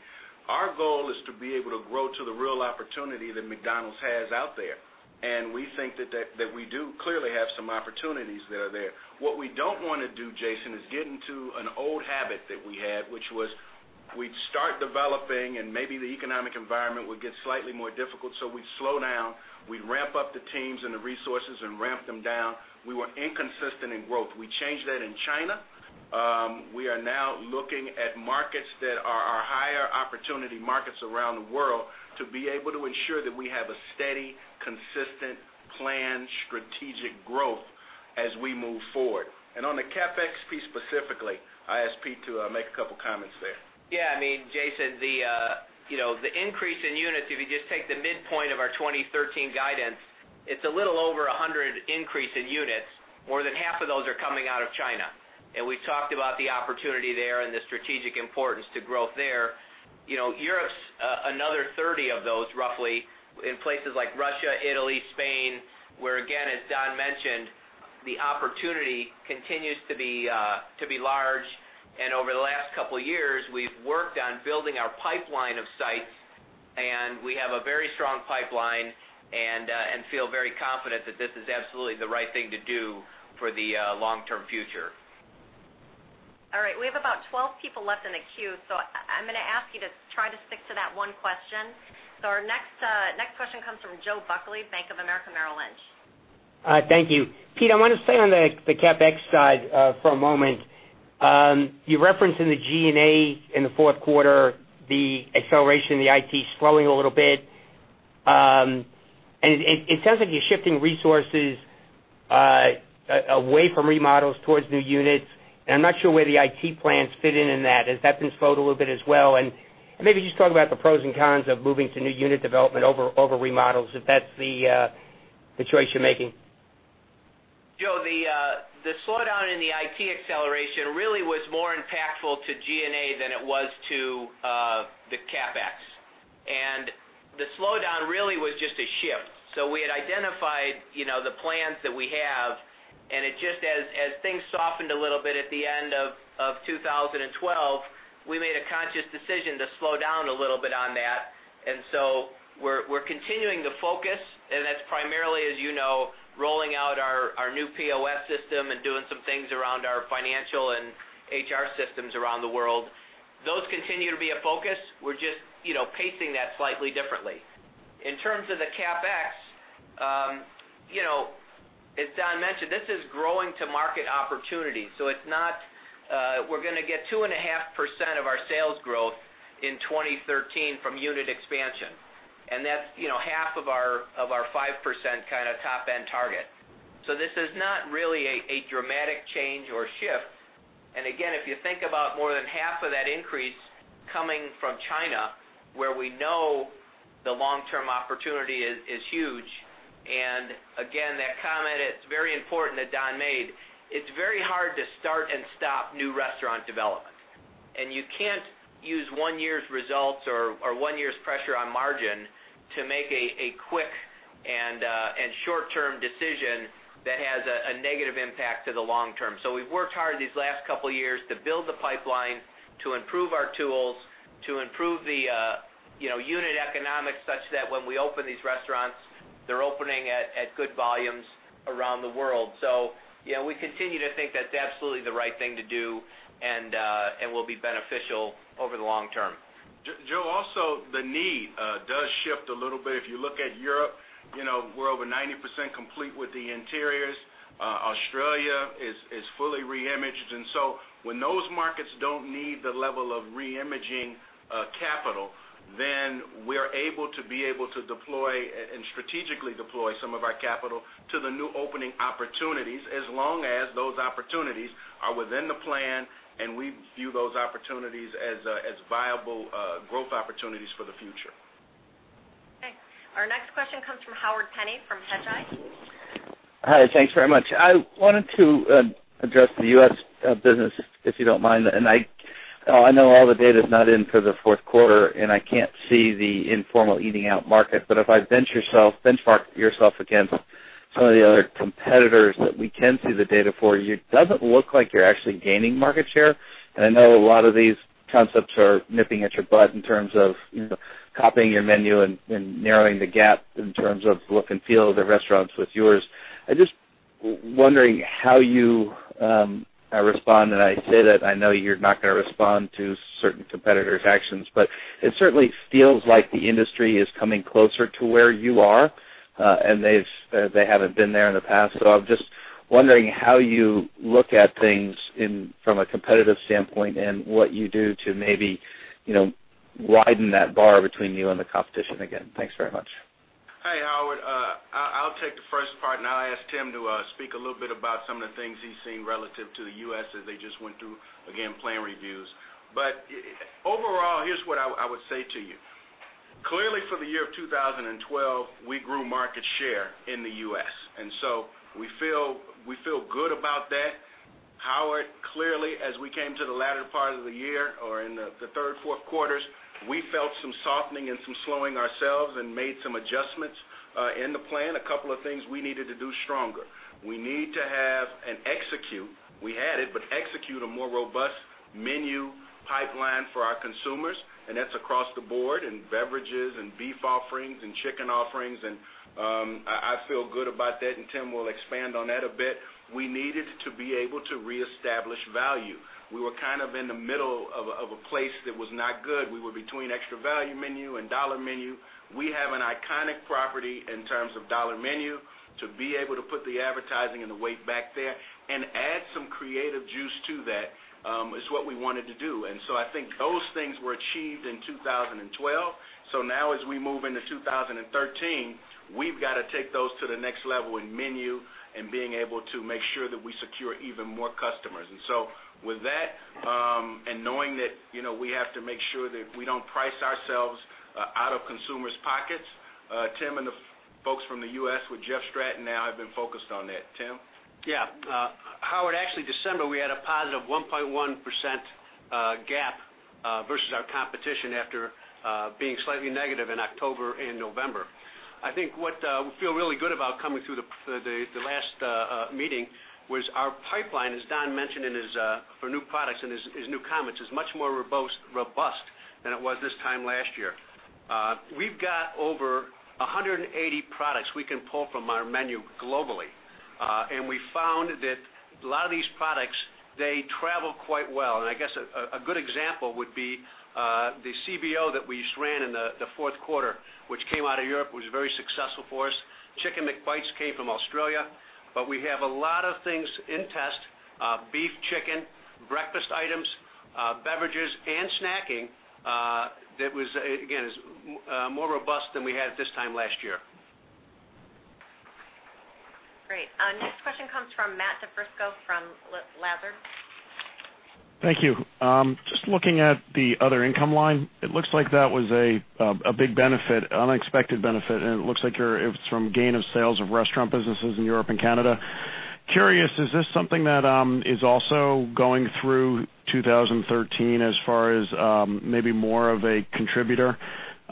Speaker 3: Our goal is to be able to grow to the real opportunity that McDonald's has out there, and we think that we do clearly have some opportunities there. What we don't want to do, Jason, is get into an old habit that we had, which was we'd start developing and maybe the economic environment would get slightly more difficult, so we'd slow down. We'd ramp up the teams and the resources and ramp them down. We were inconsistent in growth. We changed that in China. We are now looking at markets that are our higher opportunity markets around the world to be able to ensure that we have a steady, consistent plan, strategic growth as we move forward. On the CapEx piece specifically, I asked Pete to make a couple comments there.
Speaker 4: Jason, the increase in units, if you just take the midpoint of our 2013 guidance, it's a little over 100 increase in units. More than half of those are coming out of China. We've talked about the opportunity there and the strategic importance to growth there. Europe's another 30 of those, roughly, in places like Russia, Italy, Spain, where again, as Don mentioned, the opportunity continues to be large. Over the last couple of years, we've worked on building our pipeline of sites, and we have a very strong pipeline and feel very confident that this is absolutely the right thing to do for the long-term future.
Speaker 2: All right. We have about 12 people left in the queue, so I'm going to ask you to try to stick to that one question. Our next question comes from Joseph Buckley, Bank of America Merrill Lynch.
Speaker 15: Thank you. Pete, I want to stay on the CapEx side for a moment. You referenced in the G&A in the fourth quarter, the acceleration in the IT slowing a little bit. It sounds like you're shifting resources away from remodels towards new units, and I'm not sure where the IT plans fit in in that. Has that been slowed a little bit as well? Maybe just talk about the pros and cons of moving to new unit development over remodels, if that's the choice you're making.
Speaker 4: The slowdown in the IT acceleration really was more impactful to G&A than it was to the CapEx. The slowdown really was just a shift. We had identified the plans that we have, and just as things softened a little bit at the end of 2012, we made a conscious decision to slow down a little bit on that. We're continuing to focus, and that's primarily, as you know, rolling out our new POS system and doing some things around our financial and HR systems around the world. Those continue to be a focus. We're just pacing that slightly differently. In terms of the CapEx, as Don mentioned, this is growing to market opportunities. We're going to get 2.5% of our sales growth in 2013 from unit expansion, and that's half of our 5% kind of top-end target. This is not really a dramatic change or shift. Again, if you think about more than half of that increase coming from China, where we know the long-term opportunity is huge. Again, that comment, it's very important that Don made. It's very hard to start and stop new restaurant development. You can't use one year's results or one year's pressure on margin to make a quick and short-term decision that has a negative impact to the long term. We've worked hard these last couple of years to build the pipeline, to improve our tools, to improve the unit economics, such that when we open these restaurants, they're opening at good volumes around the world. Yeah, we continue to think that's absolutely the right thing to do and will be beneficial over the long term.
Speaker 3: Joe, also, the need does shift a little bit. If you look at Europe, we're over 90% complete with the interiors. Australia is fully re-imaged. When those markets don't need the level of re-imaging capital, then we're able to be able to deploy and strategically deploy some of our capital to the new opening opportunities, as long as those opportunities are within the plan and we view those opportunities as viable growth opportunities for the future.
Speaker 2: Okay. Our next question comes from Howard Penney from Hedgeye.
Speaker 16: Hi. Thanks very much. I wanted to address the U.S. business, if you don't mind. I know all the data's not in for the fourth quarter, I can't see the informal eating out market. If I benchmark yourself against some of the other competitors that we can see the data for you, it doesn't look like you're actually gaining market share. I know a lot of these concepts are nipping at your butt in terms of copying your menu and narrowing the gap in terms of look and feel of the restaurants with yours. I'm just wondering how you respond. I say that I know you're not going to respond to certain competitors' actions, it certainly feels like the industry is coming closer to where you are. They haven't been there in the past. I was just wondering how you look at things from a competitive standpoint and what you do to maybe widen that bar between you and the competition again. Thanks very much.
Speaker 3: Hey, Howard. I'll take the first part. I'll ask Tim to speak a little bit about some of the things he's seen relative to the U.S. as they just went through, again, plan reviews. Overall, here's what I would say to you. Clearly, for the year of 2012, we grew market share in the U.S. We feel good about that. Howard, clearly, as we came to the latter part of the year or in the third, fourth quarters, we felt some softening and some slowing ourselves and made some adjustments in the plan. A couple of things we needed to do stronger. We need to have and execute, we had it, but execute a more robust menu pipeline for our consumers, and that's across the board in beverages, in beef offerings, in chicken offerings, and I feel good about that, and Tim will expand on that a bit. We needed to be able to reestablish value. We were kind of in the middle of a place that was not good. We were between Extra Value Meals and Dollar Menu. We have an iconic property in terms of Dollar Menu to be able to put the advertising and the weight back there and add some creative juice to that is what we wanted to do. I think those things were achieved in 2012. Now as we move into 2013, we've got to take those to the next level in menu and being able to make sure that we secure even more customers. With that, and knowing that we have to make sure that we don't price ourselves out of consumers' pockets, Tim and the folks from the U.S. with Jeff Stratton now have been focused on that. Tim?
Speaker 8: Yeah. Howard, actually December, we had a positive 1.1% gap versus our competition after being slightly negative in October and November. I think what we feel really good about coming through the last meeting was our pipeline, as Don mentioned for new products in his new comments, is much more robust than it was this time last year. We've got over 180 products we can pull from our menu globally. We found that a lot of these products, they travel quite well. I guess a good example would be the CBO that we just ran in the fourth quarter, which came out of Europe, was very successful for us. Chicken McBites came from Australia. We have a lot of things in test, beef, chicken, breakfast items, beverages, and snacking that was, again, is more robust than we had this time last year.
Speaker 2: Great. Next question comes from Matthew DiFrisco from Lazard.
Speaker 17: Thank you. Just looking at the other income line, it looks like that was a big unexpected benefit, and it looks like it's from gain of sales of restaurant businesses in Europe and Canada. Curious, is this something that is also going through 2013 as far as maybe more of a contributor?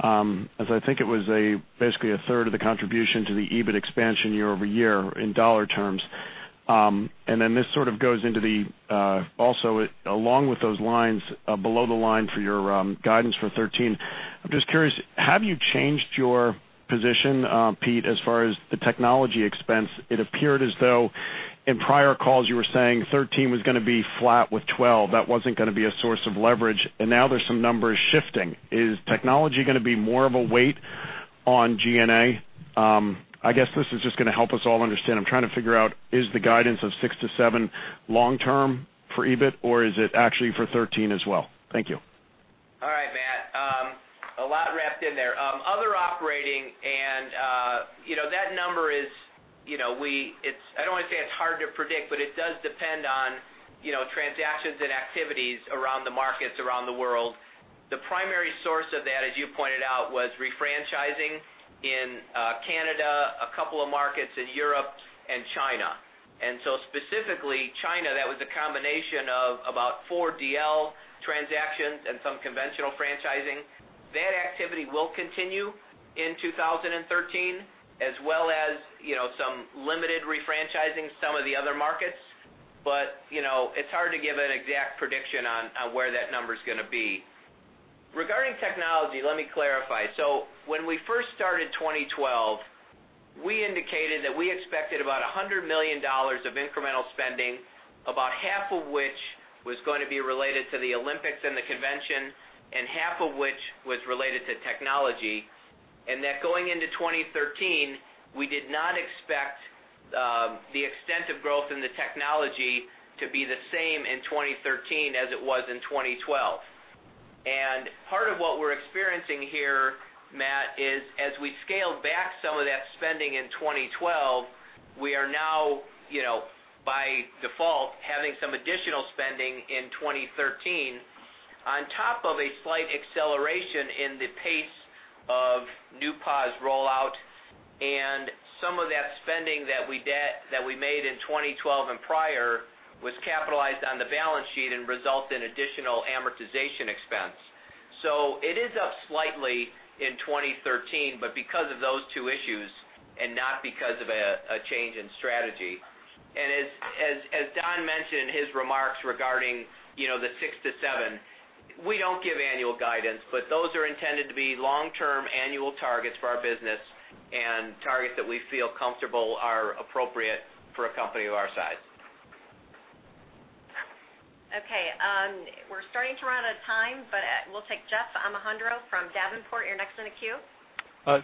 Speaker 17: As I think it was basically a third of the contribution to the EBIT expansion year-over-year in dollar terms. This sort of goes into the, also along with those lines, below the line for your guidance for 2013. I'm just curious, have you changed your position, Pete, as far as the technology expense? It appeared as though in prior calls you were saying 2013 was going to be flat with 2012. That wasn't going to be a source of leverage. Now there's some numbers shifting. Is technology going to be more of a weight on G&A? I guess this is just going to help us all understand. I'm trying to figure out, is the guidance of six to seven long term for EBIT, or is it actually for 2013 as well? Thank you.
Speaker 4: All right, Matt. A lot wrapped in there. Other operating, that number is, I don't want to say it's hard to predict, but it does depend on transactions and activities around the markets around the world. The primary source of that, as you pointed out, was refranchising in Canada, a couple of markets in Europe and China. Specifically China, that was a combination of about 4 DL transactions and some conventional franchising. That activity will continue in 2013 as well as some limited refranchising some of the other markets. It's hard to give an exact prediction on where that number's going to be. Regarding technology, let me clarify. When we first started 2012, we indicated that we expected about $100 million of incremental spending, about half of which was going to be related to the Olympics and the convention, and half of which was related to technology. Going into 2013, we did not expect the extent of growth in the technology to be the same in 2013 as it was in 2012. Part of what we're experiencing here, Matt, is as we scaled back some of that spending in 2012, we are now, by default, having some additional spending in 2013 on top of a slight acceleration in the pace of new POS rollout. Some of that spending that we made in 2012 and prior was capitalized on the balance sheet and results in additional amortization expense. It is up slightly in 2013, but because of those two issues and not because of a change in strategy. As Don mentioned in his remarks regarding the six to seven, we don't give annual guidance, but those are intended to be long-term annual targets for our business and targets that we feel comfortable are appropriate for a company of our size.
Speaker 2: Okay. We're starting to run out of time, but we'll take Jeff Alejandro from Davenport. You're next in the queue.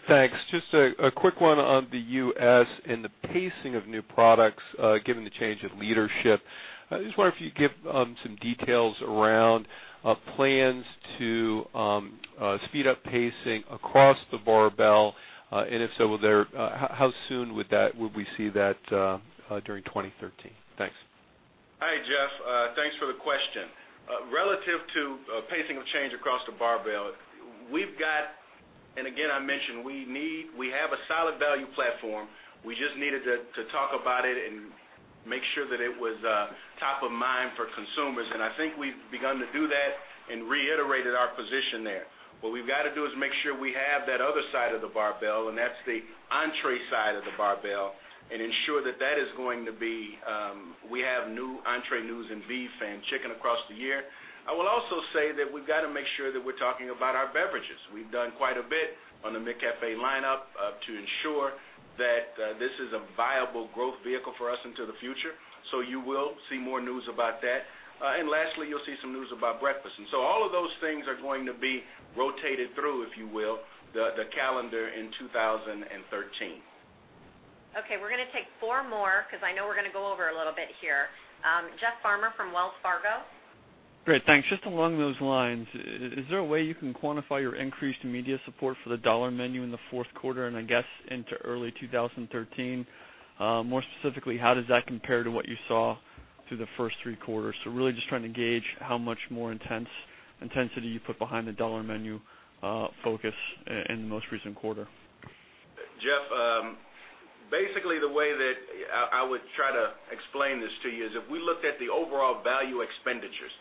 Speaker 18: Thanks. Just a quick one on the U.S. and the pacing of new products given the change of leadership. I just wonder if you'd give some details around plans to speed up pacing across the barbell. If so, how soon would we see that during 2013? Thanks.
Speaker 3: Hi, Jeff. Thanks for the question. Relative to pacing of change across the barbell, we've got, and again, I mentioned we have a solid value platform. We just needed to talk about it and make sure that it was top of mind for consumers. I think we've begun to do that and reiterated our position there. What we've got to do is make sure we have that other side of the barbell, and that's the entrée side of the barbell, and ensure that is going to be, we have new entrée news in beef and chicken across the year. I will also say that we've got to make sure that we're talking about our beverages. We've done quite a bit on the McCafé lineup to ensure that this is a viable growth vehicle for us into the future. You will see more news about that. Lastly, you'll see some news about breakfast. All of those things are going to be rotated through, if you will, the calendar in 2013.
Speaker 2: Okay, we're going to take four more because I know we're going to go over a little bit here. Jeff Farmer from Wells Fargo.
Speaker 19: Great, thanks. Just along those lines, is there a way you can quantify your increased media support for the Dollar Menu in the fourth quarter and I guess into early 2013? More specifically, how does that compare to what you saw through the first three quarters? Really just trying to gauge how much more intensity you put behind the Dollar Menu focus in the most recent quarter.
Speaker 3: Jeff, basically the way that I would try to explain this to you is if we looked at the overall value expenditures,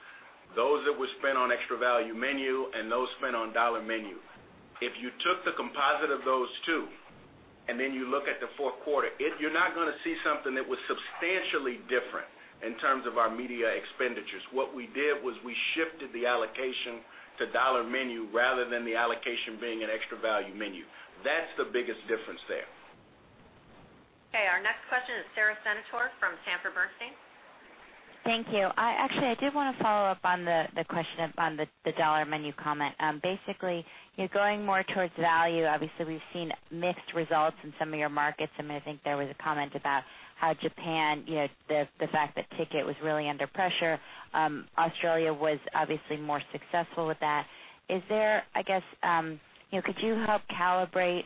Speaker 3: those that were spent on Extra Value Meals and those spent on Dollar Menu. If you took the composite of those two, and then you look at the fourth quarter, you're not going to see something that was substantially different in terms of our media expenditures. What we did was we shifted the allocation to Dollar Menu rather than the allocation being an Extra Value Meals. That's the biggest difference there.
Speaker 2: Okay, our next question is Sarah Senatore from Sanford C. Bernstein & Co.
Speaker 4: Thank you. Actually, I did want to follow up on the question up on the Dollar Menu comment. Basically, you're going more towards value
Speaker 20: Obviously, we've seen mixed results in some of your markets. I think there was a comment about how Japan, the fact that ticket was really under pressure. Australia was obviously more successful with that. Could you help calibrate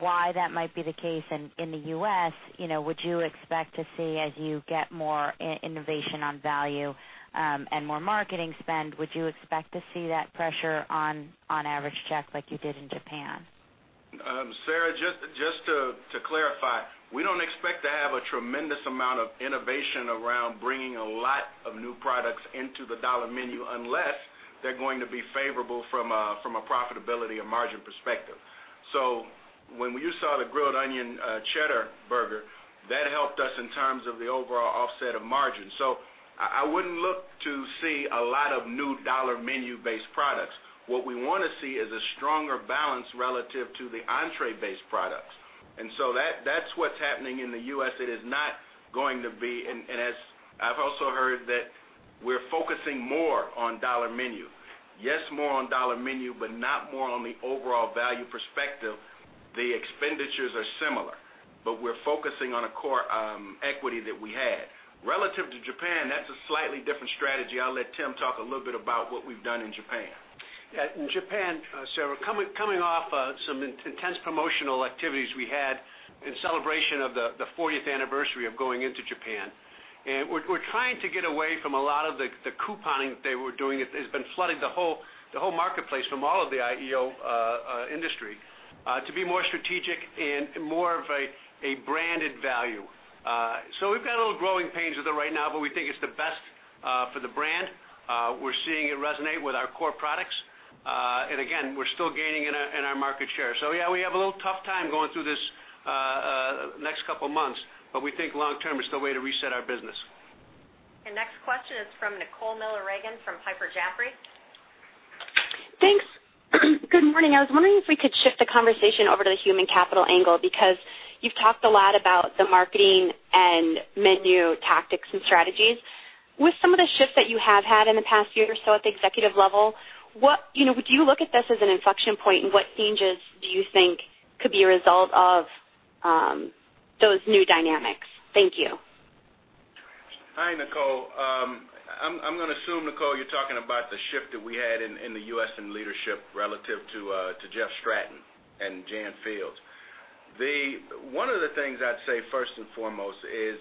Speaker 20: why that might be the case in the U.S.? Would you expect to see as you get more innovation on value and more marketing spend, would you expect to see that pressure on average check like you did in Japan?
Speaker 3: Sarah, just to clarify, we don't expect to have a tremendous amount of innovation around bringing a lot of new products into the Dollar Menu unless they're going to be favorable from a profitability and margin perspective. When you saw the Grilled Onion Cheddar Burger, that helped us in terms of the overall offset of margin. I wouldn't look to see a lot of new Dollar Menu-based products. What we want to see is a stronger balance relative to the entree-based products. That's what's happening in the U.S. It is not going to be, as I've also heard, that we're focusing more on Dollar Menu. Yes, more on Dollar Menu, not more on the overall value perspective. The expenditures are similar, we're focusing on a core equity that we had. Relative to Japan, that's a slightly different strategy. I'll let Tim talk a little bit about what we've done in Japan.
Speaker 8: Yeah. In Japan, Sarah, coming off some intense promotional activities we had in celebration of the 40th anniversary of going into Japan, we're trying to get away from a lot of the couponing that they were doing. It has been flooding the whole marketplace from all of the IEO industry, to be more strategic and more of a branded value. We've got a little growing pains with it right now, but we think it's the best for the brand. We're seeing it resonate with our core products. Again, we're still gaining in our market share. Yeah, we have a little tough time going through this next couple of months, but we think long term it's the way to reset our business.
Speaker 2: Next question is from Nicole Miller Regan from Piper Jaffray.
Speaker 21: Thanks. Good morning. I was wondering if we could shift the conversation over to the human capital angle, because you've talked a lot about the marketing and menu tactics and strategies. With some of the shifts that you have had in the past year or so at the executive level, would you look at this as an inflection point, and what changes do you think could be a result of those new dynamics? Thank you.
Speaker 3: Hi, Nicole. I'm going to assume, Nicole, you're talking about the shift that we had in the U.S. in leadership relative to Jeff Stratton and Jan Fields. One of the things I'd say first and foremost is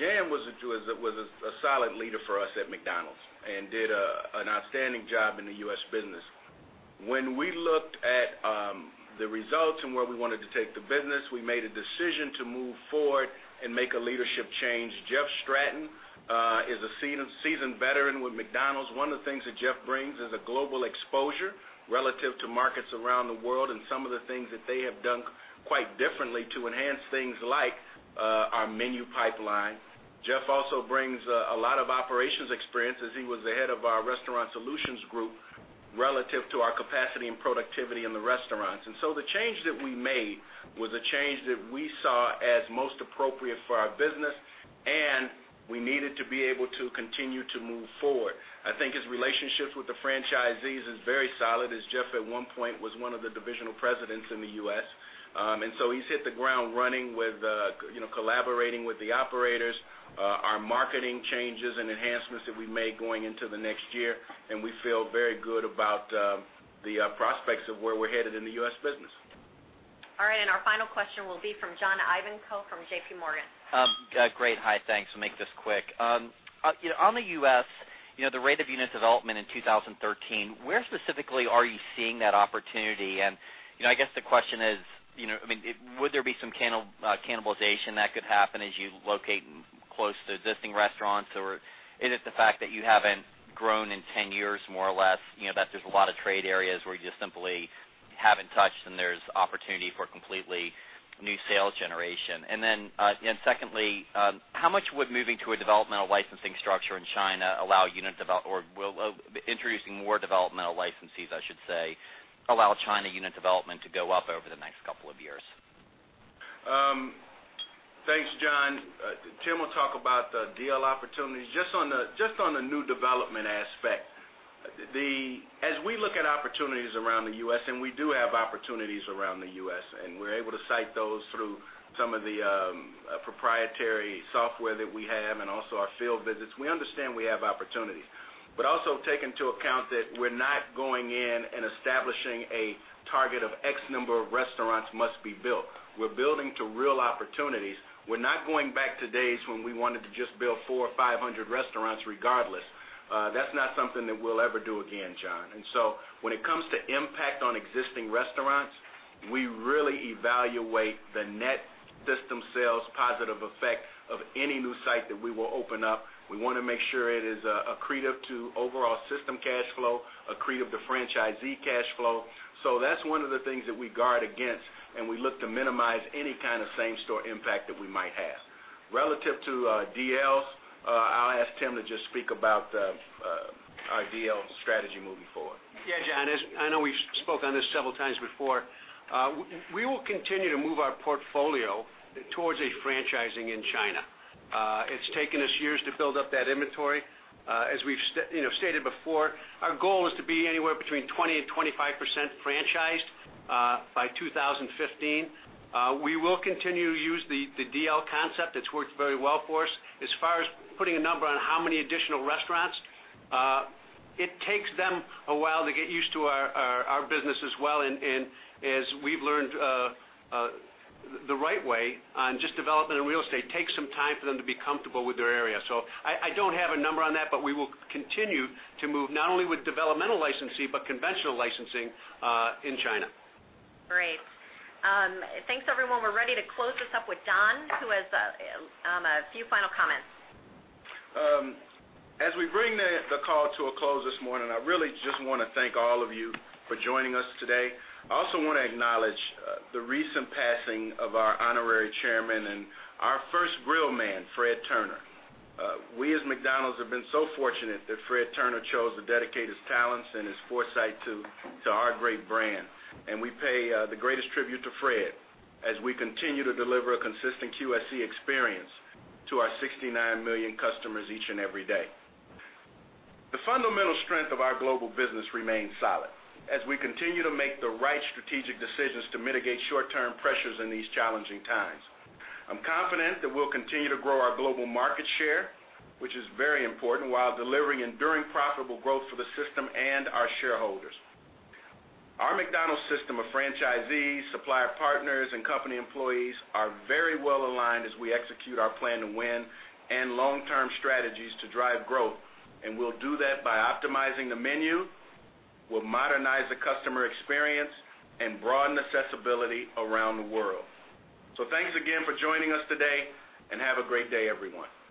Speaker 3: Jan was a solid leader for us at McDonald's and did an outstanding job in the U.S. business. When we looked at the results and where we wanted to take the business, we made a decision to move forward and make a leadership change. Jeff Stratton is a seasoned veteran with McDonald's. One of the things that Jeff brings is a global exposure relative to markets around the world and some of the things that they have done quite differently to enhance things like our menu pipeline. Jeff also brings a lot of operations experience as he was the head of our Restaurant Solutions Group relative to our capacity and productivity in the restaurants. The change that we made was a change that we saw as most appropriate for our business, we needed to be able to continue to move forward. I think his relationships with the franchisees is very solid, as Jeff at one point was one of the divisional presidents in the U.S. He's hit the ground running with collaborating with the operators, our marketing changes and enhancements that we made going into the next year, we feel very good about the prospects of where we're headed in the U.S. business.
Speaker 2: All right, our final question will be from John Ivankoe from J.P. Morgan.
Speaker 22: Great. Hi. Thanks. I'll make this quick. On the U.S., the rate of unit development in 2013, where specifically are you seeing that opportunity? I guess the question is, would there be some cannibalization that could happen as you locate close to existing restaurants? Is it the fact that you haven't grown in 10 years, more or less, that there's a lot of trade areas where you just simply haven't touched and there's opportunity for completely new sales generation? Secondly, how much would moving to a developmental licensing structure in China allow unit or will introducing more developmental licensees, I should say, allow China unit development to go up over the next couple of years?
Speaker 3: Thanks, John. Tim will talk about the DL opportunities. Just on the new development aspect, as we look at opportunities around the U.S., and we do have opportunities around the U.S., and we're able to cite those through some of the proprietary software that we have and also our field visits. We understand we have opportunities, but also take into account that we're not going in and establishing a target of X number of restaurants must be built. We're building to real opportunities. We're not going back to days when we wanted to just build 400 or 500 restaurants regardless. That's not something that we'll ever do again, John. When it comes to impact on existing restaurants, we really evaluate the net system sales positive effect of any new site that we will open up. We want to make sure it is accretive to overall system cash flow, accretive to franchisee cash flow. That's one of the things that we guard against, and we look to minimize any kind of same-store impact that we might have. Relative to DLs, I'll ask Tim to just speak about our DL strategy moving forward.
Speaker 8: John, I know we've spoke on this several times before. We will continue to move our portfolio towards a franchising in China. It's taken us years to build up that inventory. As we've stated before, our goal is to be anywhere between 20% and 25% franchised by 2015. We will continue to use the DL concept. It's worked very well for us. As far as putting a number on how many additional restaurants, it takes them a while to get used to our business as well, and as we've learned the right way on just development and real estate, takes some time for them to be comfortable with their area. I don't have a number on that, but we will continue to move not only with developmental licensing but conventional licensing in China.
Speaker 2: Great. Thanks, everyone. We're ready to close this up with Don, who has a few final comments.
Speaker 3: As we bring the call to a close this morning, I really just want to thank all of you for joining us today. I also want to acknowledge the recent passing of our Honorary Chairman and our first grill man, Fred Turner. We, as McDonald's, have been so fortunate that Fred Turner chose to dedicate his talents and his foresight to our great brand. We pay the greatest tribute to Fred as we continue to deliver a consistent QSC experience to our 69 million customers each and every day. The fundamental strength of our global business remains solid as we continue to make the right strategic decisions to mitigate short-term pressures in these challenging times. I'm confident that we'll continue to grow our global market share, which is very important, while delivering enduring profitable growth for the system and our shareholders. Our McDonald's system of franchisees, supplier partners, and company employees are very well-aligned as we execute our Plan to Win and long-term strategies to drive growth. We'll do that by optimizing the menu. We'll modernize the customer experience and broaden accessibility around the world. Thanks again for joining us today, and have a great day, everyone.